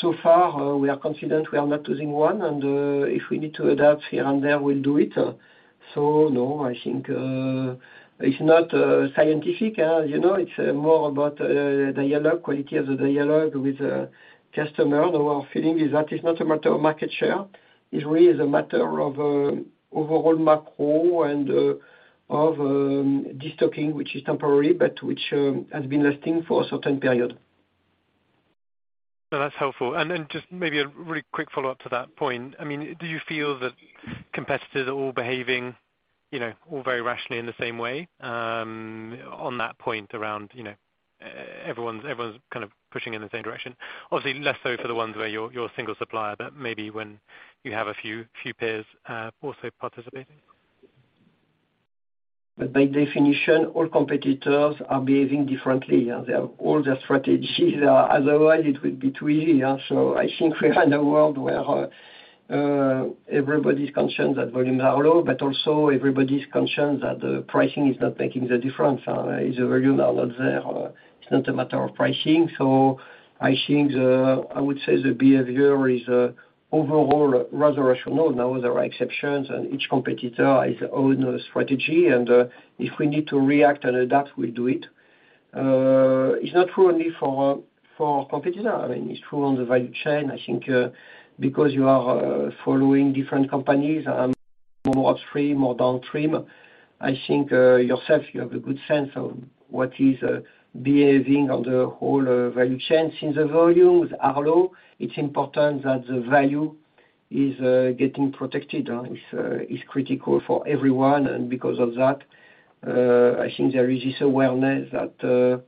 So far, we are confident we are not losing one, and, if we need to adapt here and there, we'll do it. No, I think, it's not scientific, you know, it's more about dialogue, quality of the dialogue with the customer. Our feeling is that it's not a matter of market share, it really is a matter of overall macro and of destocking, which is temporary, but which has been lasting for a certain period. No, that's helpful. Just maybe a really quick follow-up to that point. I mean, do you feel that competitors are all behaving, you know, all very rationally in the same way on that point around, you know, everyone's kind of pushing in the same direction? Obviously, less so for the ones where you're a single supplier, but maybe when you have a few peers also participating. By definition, all competitors are behaving differently. Yeah. They have all their strategies. Otherwise, it would be too easy. I think we are in a world where everybody's concerned that volumes are low, but also everybody's concerned that the pricing is not making the difference. If the volume are not there, it's not a matter of pricing. I think I would say the behavior is overall rather rational. There are exceptions and each competitor has own strategy. If we need to react and adapt, we'll do it. It's not true only for competitor. It's true on the value chain. I think because you are following different companies, more upstream, more downstream, I think yourself, you have a good sense of what is behaving on the whole value chain. Since the volumes are low, it's important that the value is getting protected. It's critical for everyone. Because of that, I think there is this awareness that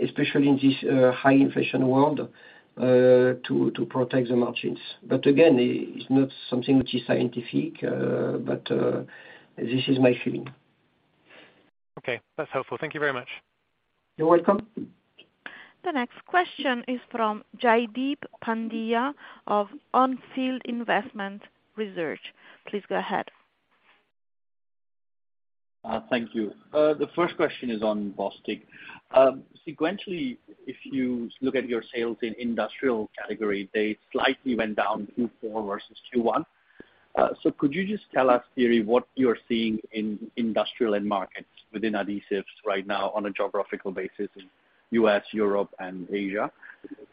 especially in this high inflation world, to protect the margins. Again, it's not something which is scientific, but this is my feeling. Okay. That's helpful. Thank you very much. You're welcome. The next question is from Jaideep Pandya of On Field Investment Research. Please go ahead. Thank you. The first question is on Bostik. Sequentially, if you look at your sales in industrial category, they slightly went down Q4 versus Q1. Could you just tell us, Thierry, what you're seeing in industrial end markets within adhesives right now on a geographical basis in U.S., Europe and Asia?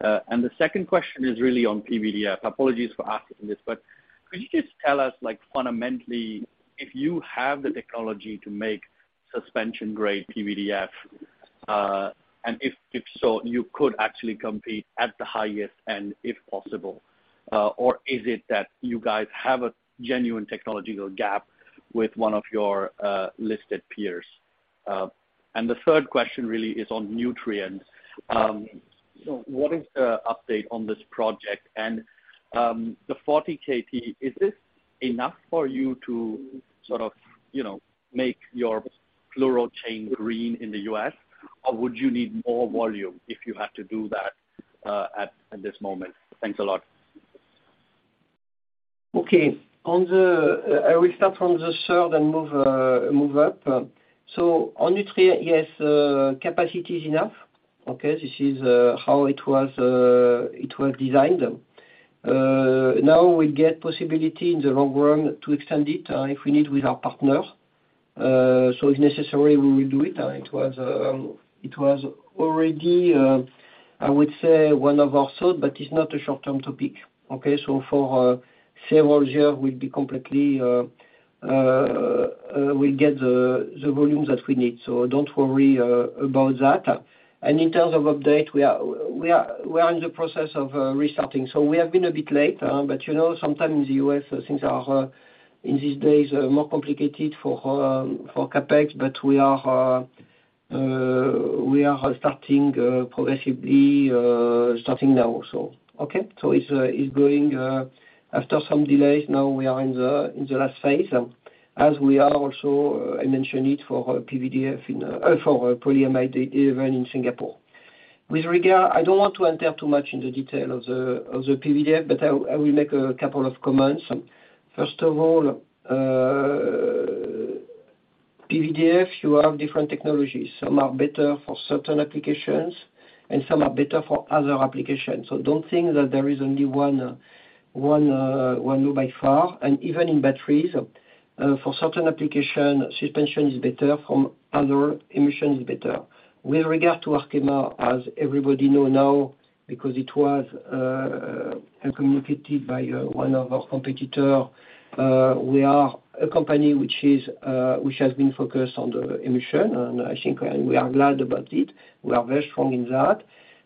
The second question is really on PVDF. Apologies for asking this, but could you just tell us, like, fundamentally, if you have the technology to make suspension-grade PVDF, and if so, you could actually compete at the highest end, if possible, or is it that you guys have a genuine technological gap with one of your listed peers? The third question really is on Nutrien. What is the update on this project? The 40 kt, is this enough for you to sort of, you know, make your fluoro chain green in the U.S., or would you need more volume if you had to do that, at this moment? Thanks a lot. I will start from the third and move up. Nutrien, yes, capacity is enough. This is how it was designed. Now we get possibility in the long run to extend it if we need with our partners. If necessary, we will do it. It was already I would say one of our sort, but it's not a short-term topic. For several year, we'll be completely we'll get the volumes that we need. Don't worry about that. In terms of update, we are in the process of restarting. We have been a bit late, but you know, sometimes in the U.S., things are, in these days, more complicated for CapEx, but we are, we are starting, progressively, starting now. Okay? It's going, after some delays, now we are in the, in the last phase. As we are also, I mentioned it for PVDF in, for Polyamide 11 in Singapore. With regard, I don't want to enter too much in the detail of the, of the PVDF, but I will make a couple of comments. First of all, PVDF, you have different technologies. Some are better for certain applications, and some are better for other applications. Don't think that there is only one way by far. Even in batteries, for certain application, suspension is better. From other, emission is better. With regard to Arkema, as everybody know now, because it was communicated by one of our competitor, we are a company which is which has been focused on the emission. I think, and we are glad about it. We are very strong in that.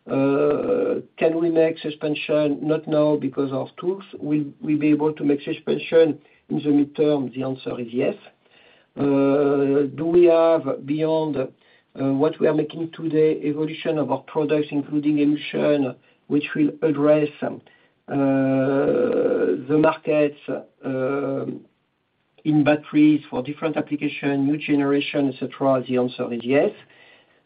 Can we make suspension? Not now because of tools. Will we be able to make suspension in the midterm? The answer is yes. Do we have beyond what we are making today, evolution of our products, including emission, which will address the markets in batteries for different application, new generation, et cetera? The answer is yes.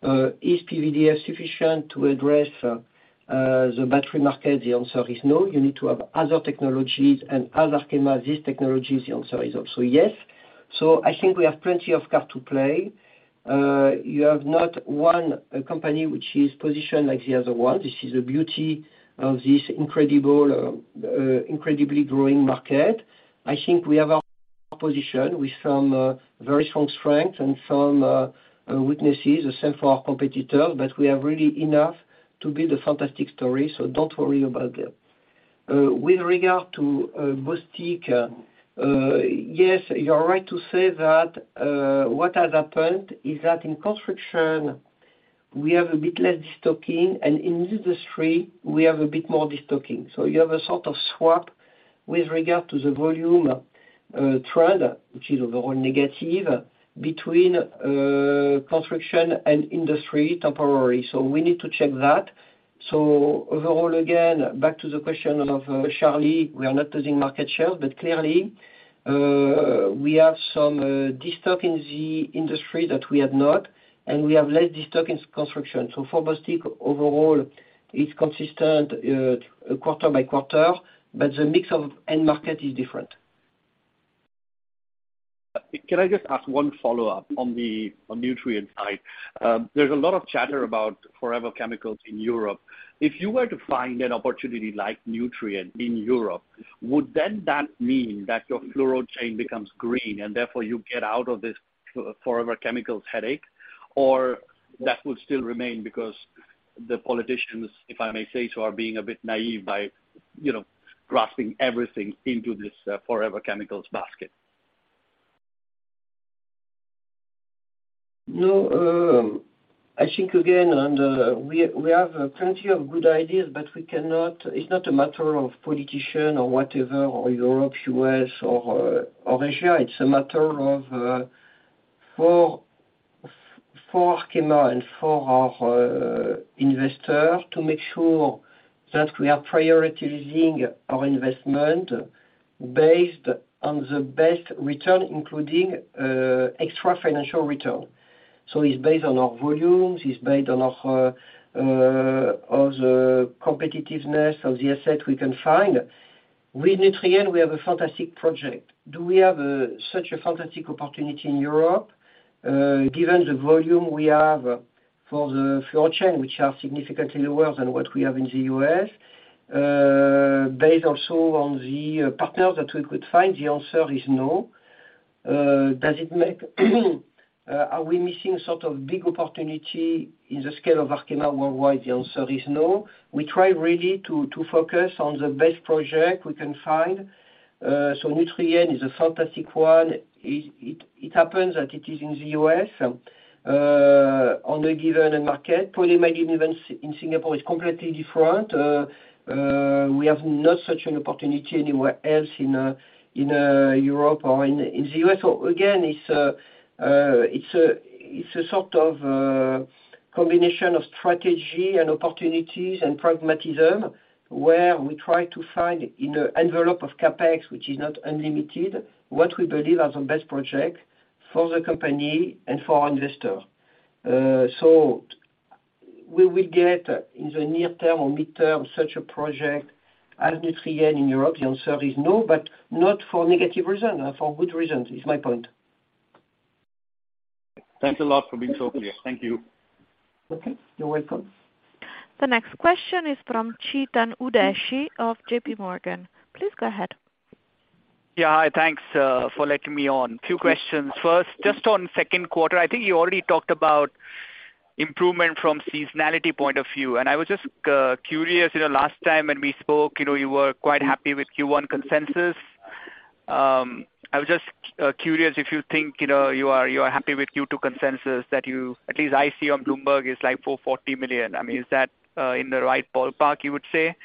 Is PVDF sufficient to address the battery market? The answer is no. You need to have other technologies. As Arkema, these technologies, the answer is also yes. So I think we have plenty of card to play. You have not one company which is positioned like the other one. This is the beauty of this incredible, incredibly growing market. I think we have our position with some very strong strengths and some weaknesses, the same for our competitor. We have really enough to build a fantastic story. Don't worry about that. With regard to Bostik, yes, you're right to say that what has happened is that in construction, we have a bit less destocking, and in industry, we have a bit more destocking. You have a sort of swap with regard to the volume trend, which is overall negative between construction and industry temporarily. We need to check that. Overall, again, back to the question of Charlie, we are not losing market share, but clearly, we have some destocking the industry that we have not, and we have less destocking construction. For Bostik overall, it's consistent, quarter by quarter, but the mix of end market is different. Can I just ask one follow-up on the, on Nutrien side? There's a lot of chatter about forever chemicals in Europe. If you were to find an opportunity like Nutrien in Europe, would then that mean that your fluoro chain becomes green and therefore you get out of this forever chemicals headache? Or that would still remain because the politicians, if I may say so, are being a bit naive by, you know, grasping everything into this, forever chemicals basket. No, I think again, we have plenty of good ideas, but we cannot. It's not a matter of politician or whatever or Europe, U.S., or Asia. It's a matter of for Arkema and for our investor to make sure that we are prioritizing our investment based on the best return, including extra financial return. It's based on our volumes, it's based on our on the competitiveness of the asset we can find. With Nutrien, we have a fantastic project. Do we have such a fantastic opportunity in Europe, given the volume we have for the fluoro chain, which are significantly lower than what we have in the U.S.? Based also on the partners that we could find, the answer is no. Are we missing sort of big opportunity in the scale of Arkema worldwide? The answer is no. We try really to focus on the best project we can find. Nutrien is a fantastic one. It happens that it is in the U.S., on a given market. Polyamide even in Singapore is completely different. We have not such an opportunity anywhere else in Europe or in the U.S. Again, it's a sort of a combination of strategy and opportunities and pragmatism, where we try to find in the envelope of CapEx, which is not unlimited, what we believe are the best project for the company and for our investor. Will we get in the near term or midterm such a project as Nutrien in Europe? The answer is no, but not for negative reason, for good reasons is my point. Thanks a lot for being so clear. Thank you. Okay. You're welcome. The next question is from Chetan Udeshi of J.P. Morgan. Please go ahead. Yeah. Hi. Thanks for letting me on. Few questions. First, just on second quarter. I think you already talked about improvement from seasonality point of view, and I was just curious. You know, last time when we spoke, you know, you were quite happy with Q1 consensus. I was just curious if you think, you know, you are happy with Q2 consensus that at least I see on Bloomberg is like 440 million. I mean, is that in the right ballpark, you would say?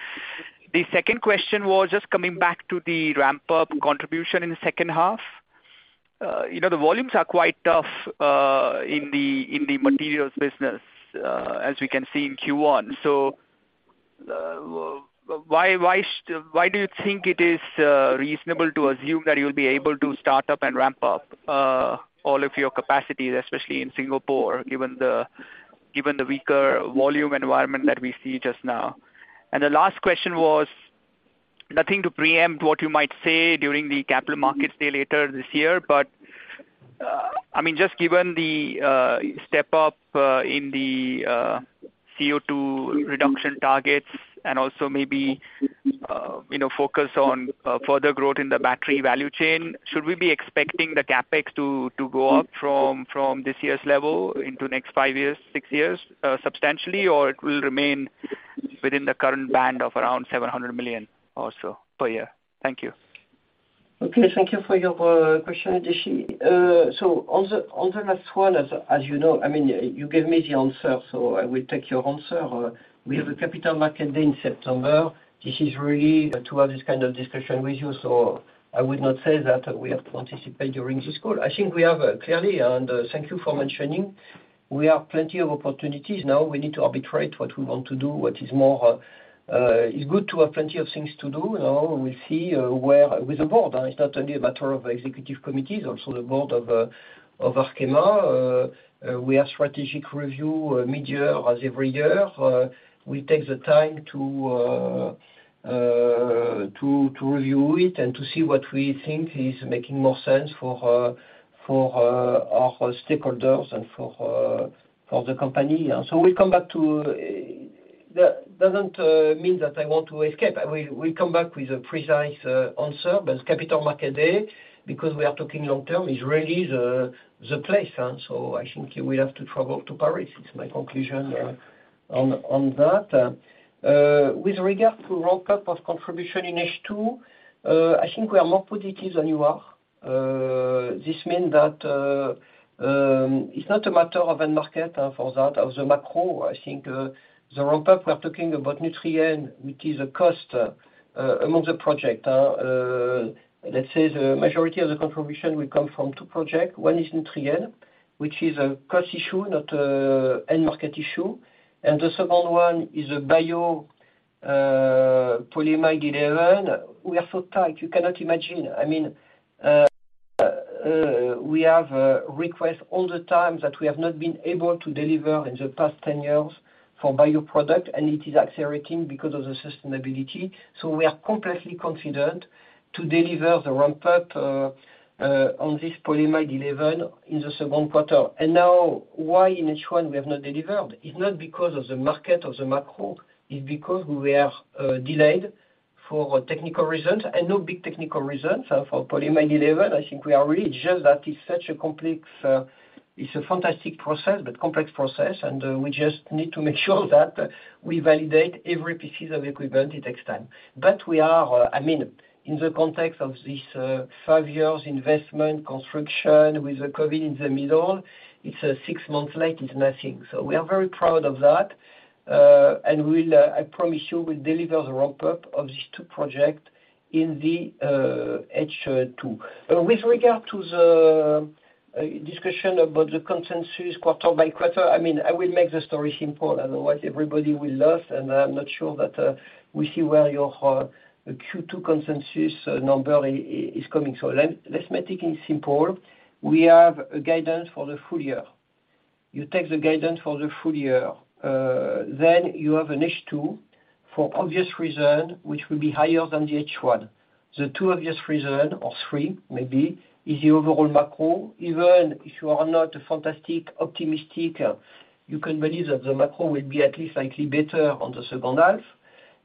The second question was just coming back to the ramp-up contribution in the second half. You know, the volumes are quite tough in the materials business, as we can see in Q1. Why do you think it is reasonable to assume that you'll be able to start up and ramp up all of your capacities, especially in Singapore, given the weaker volume environment that we see just now? The last question was nothing to preempt what you might say during the Capital Markets Day later this year. I mean, just given the step up in the CO2 reduction targets and also maybe, you know, focus on further growth in the battery value chain. Should we be expecting the CapEx to go up from this year's level into next five years, six years substantially, or it will remain within the current band of around 700 million or so per year? Thank you. Okay. Thank you for your question, Udeshi. On the, on the last one, as you know, I mean, you gave me the answer, so I will take your answer. We have a Capital Market Day in September. This is really to have this kind of discussion with you, so I would not say that we have to anticipate during this call. I think we have clearly, and thank you for mentioning. We have plenty of opportunities now. We need to arbitrate what we want to do, what is more, is good to have plenty of things to do. Now, we'll see where with the board. It's not only a matter of executive committees, also the board of Arkema. We have strategic review midyear as every year. We take the time to review it and to see what we think is making more sense for our stakeholders and for the company. We'll come back to. That doesn't mean that I want to escape. We come back with a precise answer, but Capital Markets Day, because we are talking long term, is really the place. I think you will have to travel to Paris. It's my conclusion on that. With regard to ramp up of contribution in H2, I think we are more positive than you are. This mean that it's not a matter of end market for that, of the macro. I think the ramp up, we are talking about Nutrien, which is a cost among the project. Let's say the majority of the contribution will come from two project. One is Nutrien, which is a cost issue, not, end market issue. The second one is bio, Polyamide 11. We are so tight, you cannot imagine. I mean, we have requests all the time that we have not been able to deliver in the past 10 years for bioproduct, and it is accelerating because of the sustainability. We are completely confident to deliver the ramp up on this Polyamide 11 in the second quarter. Now, why in H1 we have not delivered? It's not because of the market or the macro, it's because we are delayed for technical reasons, and no big technical reasons for Polyamide 11. I think we are really just at such a complex. It's a fantastic process, but complex process, and we just need to make sure that we validate every pieces of equipment. It takes time. We are, I mean, in the context of this five years investment construction with the COVID in the middle, it's a six-month late, it's nothing. We are very proud of that, and we'll, I promise you, we'll deliver the ramp up of these two project in the H2. With regard to the discussion about the consensus quarter by quarter, I mean, I will make the story simple, otherwise everybody will laugh, and I'm not sure that we see where your Q2 consensus number is coming. Let's make it simple. We have a guidance for the full year. You take the guidance for the full year, then you have an H2 for obvious reason, which will be higher than the H1. The two obvious reason, or three maybe, is the overall macro. Even if you are not a fantastic optimistic, you can believe that the macro will be at least slightly better on the second half.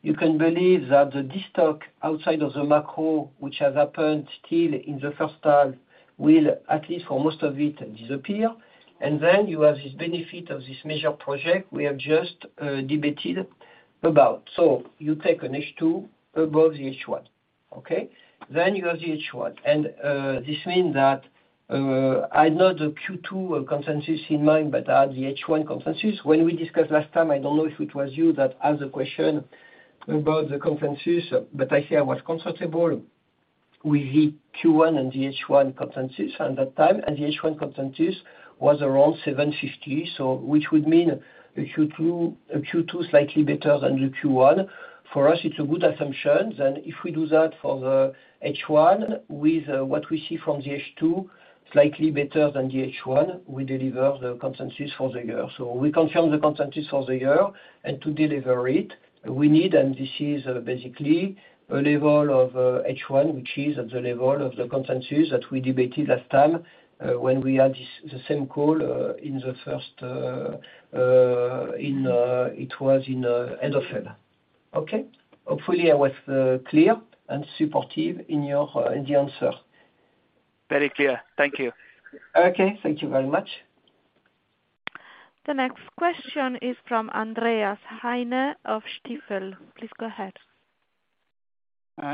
You can believe that the destock outside of the macro, which has happened still in the first half, will, at least for most of it, disappear. You have this benefit of this major project we have just debated about. You take an H2 above the H1. Okay? You have the H1. This means that, I know the Q2 consensus in mind, but, the H1 consensus. When we discussed last time, I don't know if it was you that asked the question about the consensus, but I say I was comfortable with the Q1 and the H1 consensus at that time, and the H1 consensus was around 750. Which would mean a Q2 slightly better than the Q1. For us, it's a good assumption. If we do that for the H1 with what we see from the H2, slightly better than the H1, we deliver the consensus for the year. We confirm the consensus for the year and to deliver it, we need, and this is basically a level of H1, which is at the level of the consensus that we debated last time, when we had this, the same call, in the first, in end of February. Okay? Hopefully, I was clear and supportive in your, in the answer. Very clear. Thank you. Okay. Thank you very much. The next question is from Andreas Heine of Stifel. Please go ahead.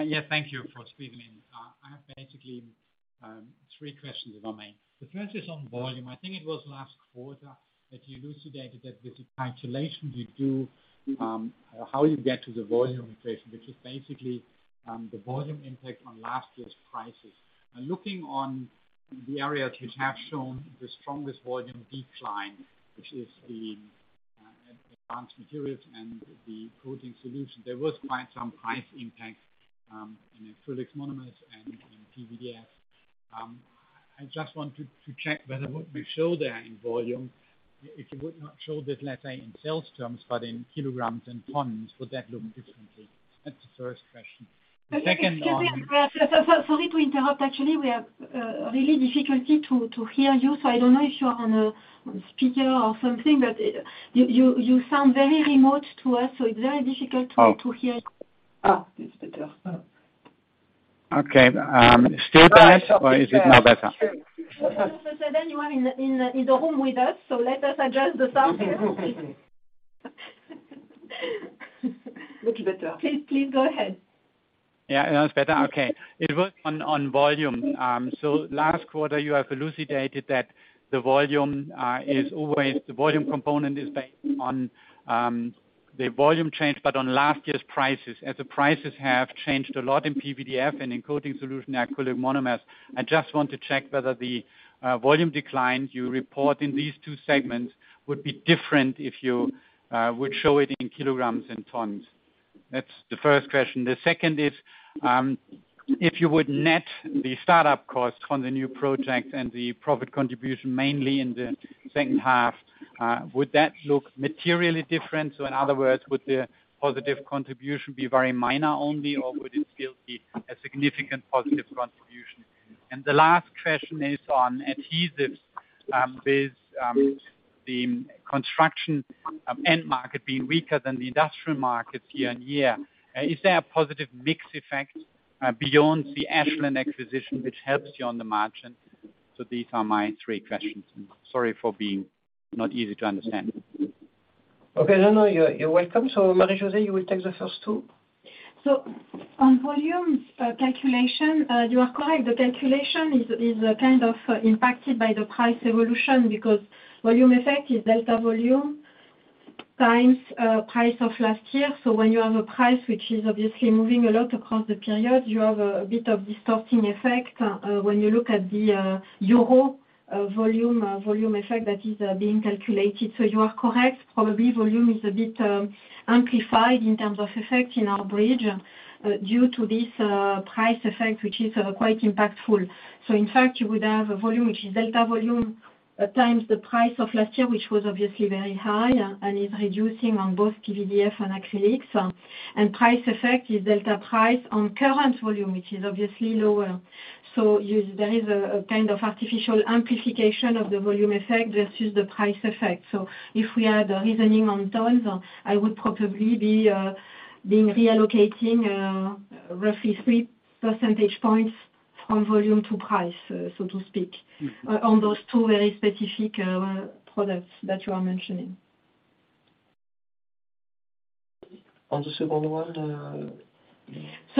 Yeah, thank you for squeezing me in. I have basically three questions, if I may. The first is on volume. I think it was last quarter that you elucidated that with the calculations you do, how you get to the volume inflation, which is basically the volume impact on last year's prices. Now, looking on the areas which have shown the strongest volume decline, which is the Advanced Materials and the Coating Solutions, there was quite some price impact in acrylic monomers and in PVDF. I just wanted to check whether what we show there in volume, if you would not show that, let's say, in sales terms, but in kilograms and tons, would that look differently? That's the first question. The second one. Excuse me, Andreas. So sorry to interrupt. Actually, we have really difficulty to hear you. I don't know if you're on a speaker or something, but you sound very remote to us, so it's very difficult. Oh. To hear you. That's better. Okay, still bad or is it now better? You are in the room with us. Let us adjust the sound here. Much better. Please go ahead. Yeah. Now it's better? Okay. It was on volume. Last quarter, you have elucidated that the volume is always. The volume component is based on the volume change, but on last year's prices. As the prices have changed a lot in PVDF and in Coating Solutions, acrylic monomers, I just want to check whether the volume decline you report in these two segments would be different if you would show it in kilograms and tons. That's the first question. The second is, if you would net the startup costs on the new project and the profit contribution mainly in the second half, would that look materially different? In other words, would the positive contribution be very minor only, or would it still be a significant positive contribution? And the last question is on adhesives. With the construction end market being weaker than the industrial markets year-on-year, is there a positive mix effect beyond the Ashland acquisition which helps you on the margin? These are my three questions. Sorry for being not easy to understand. Okay, no, you're welcome. Marie-José, you will take the first two. On volumes, calculation, you are correct. The calculation is kind of impacted by the price evolution because volume effect is delta volume times price of last year. When you have a price which is obviously moving a lot across the period, you have a bit of distorting effect, when you look at the euro volume effect that is being calculated. You are correct. Probably volume is a bit amplified in terms of effect in our bridge, due to this, price effect, which is quite impactful. In fact you would have a volume which is delta volume times the price of last year, which was obviously very high, and is reducing on both PVDF and acrylics. Price effect is delta price on current volume, which is obviously lower. There is a kind of artificial amplification of the volume effect versus the price effect. If we had reasoning on tons, I would probably be being reallocating roughly 3 percentage points from volume to price, so to speak, on those two very specific products that you are mentioning. On the second one.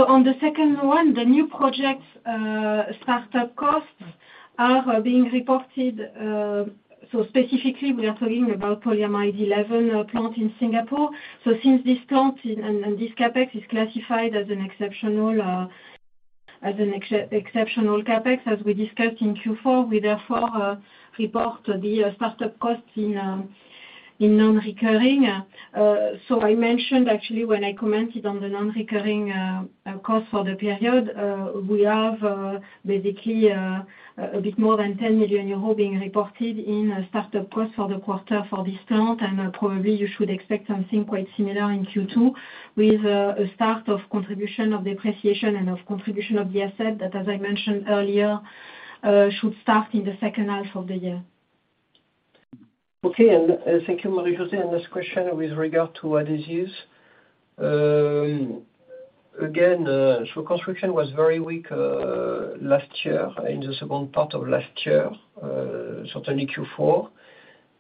On the second one, the new projects, start-up costs are being reported. Specifically we are talking about Polyamide 11 plant in Singapore. Since this plant and this CapEx is classified as an exceptional CapEx, as we discussed in Q4, we therefore report the start-up costs in non-recurring. I mentioned actually when I commented on the non-recurring cost for the period, we have basically a bit more than 10 million euro being reported in start-up costs for the quarter for this plant. Probably you should expect something quite similar in Q2 with a start of contribution of depreciation and of contribution of the asset that, as I mentioned earlier, should start in the second half of the year. Thank you, Marie-José. This question with regard to adhesives. Again, construction was very weak last year, in the second part of last year, certainly Q4.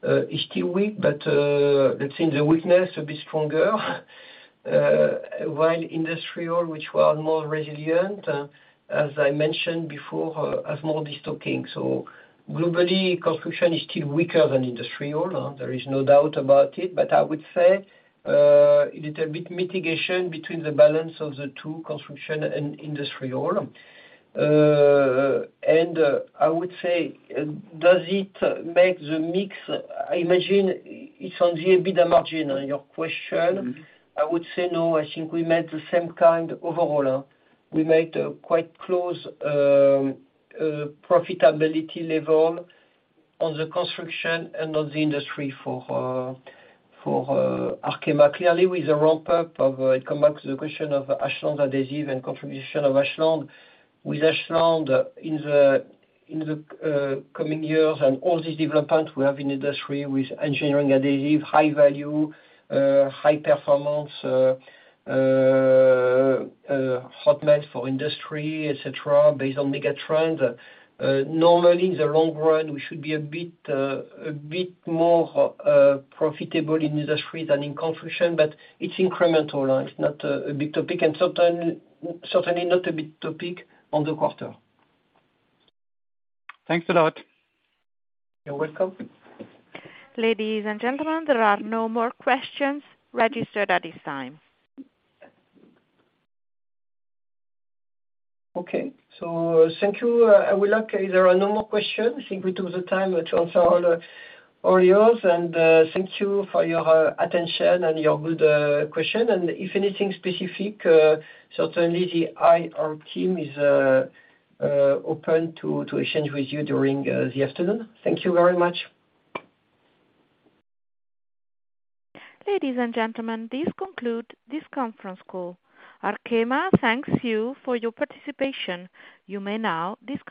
It's still weak, let's say the weakness a bit stronger, while industrial, which were more resilient, as I mentioned before, has more destocking. Globally construction is still weaker than industrial. There is no doubt about it. I would say, a little bit mitigation between the balance of the two, construction and industrial. I would say, does it make the mix? I imagine it's on the EBITDA margin on your question. Mm-hmm. I would say no. I think we made the same kind overall. We made a quite close profitability level on the construction and on the industry for Arkema. Clearly with the ramp up of it come back to the question of Ashland Adhesive and contribution of Ashland. With Ashland in the coming years and all these developments we have in industry with engineering adhesive, high value, high performance hot melt for industry, et cetera, based on megatrend. Normally in the long run we should be a bit more profitable in industry than in construction, but it's incremental. It's not a big topic and certainly not a big topic on the quarter. Thanks a lot. You're welcome. Ladies and gentlemen, there are no more questions registered at this time. Thank you. There are no more questions. I think we took the time to answer all yours. Thank you for your attention and your good question. If anything specific, certainly the IR team is open to exchange with you during the afternoon. Thank you very much. Ladies and gentlemen, this conclude this conference call. Arkema thanks you for your participation. You may now disconnect.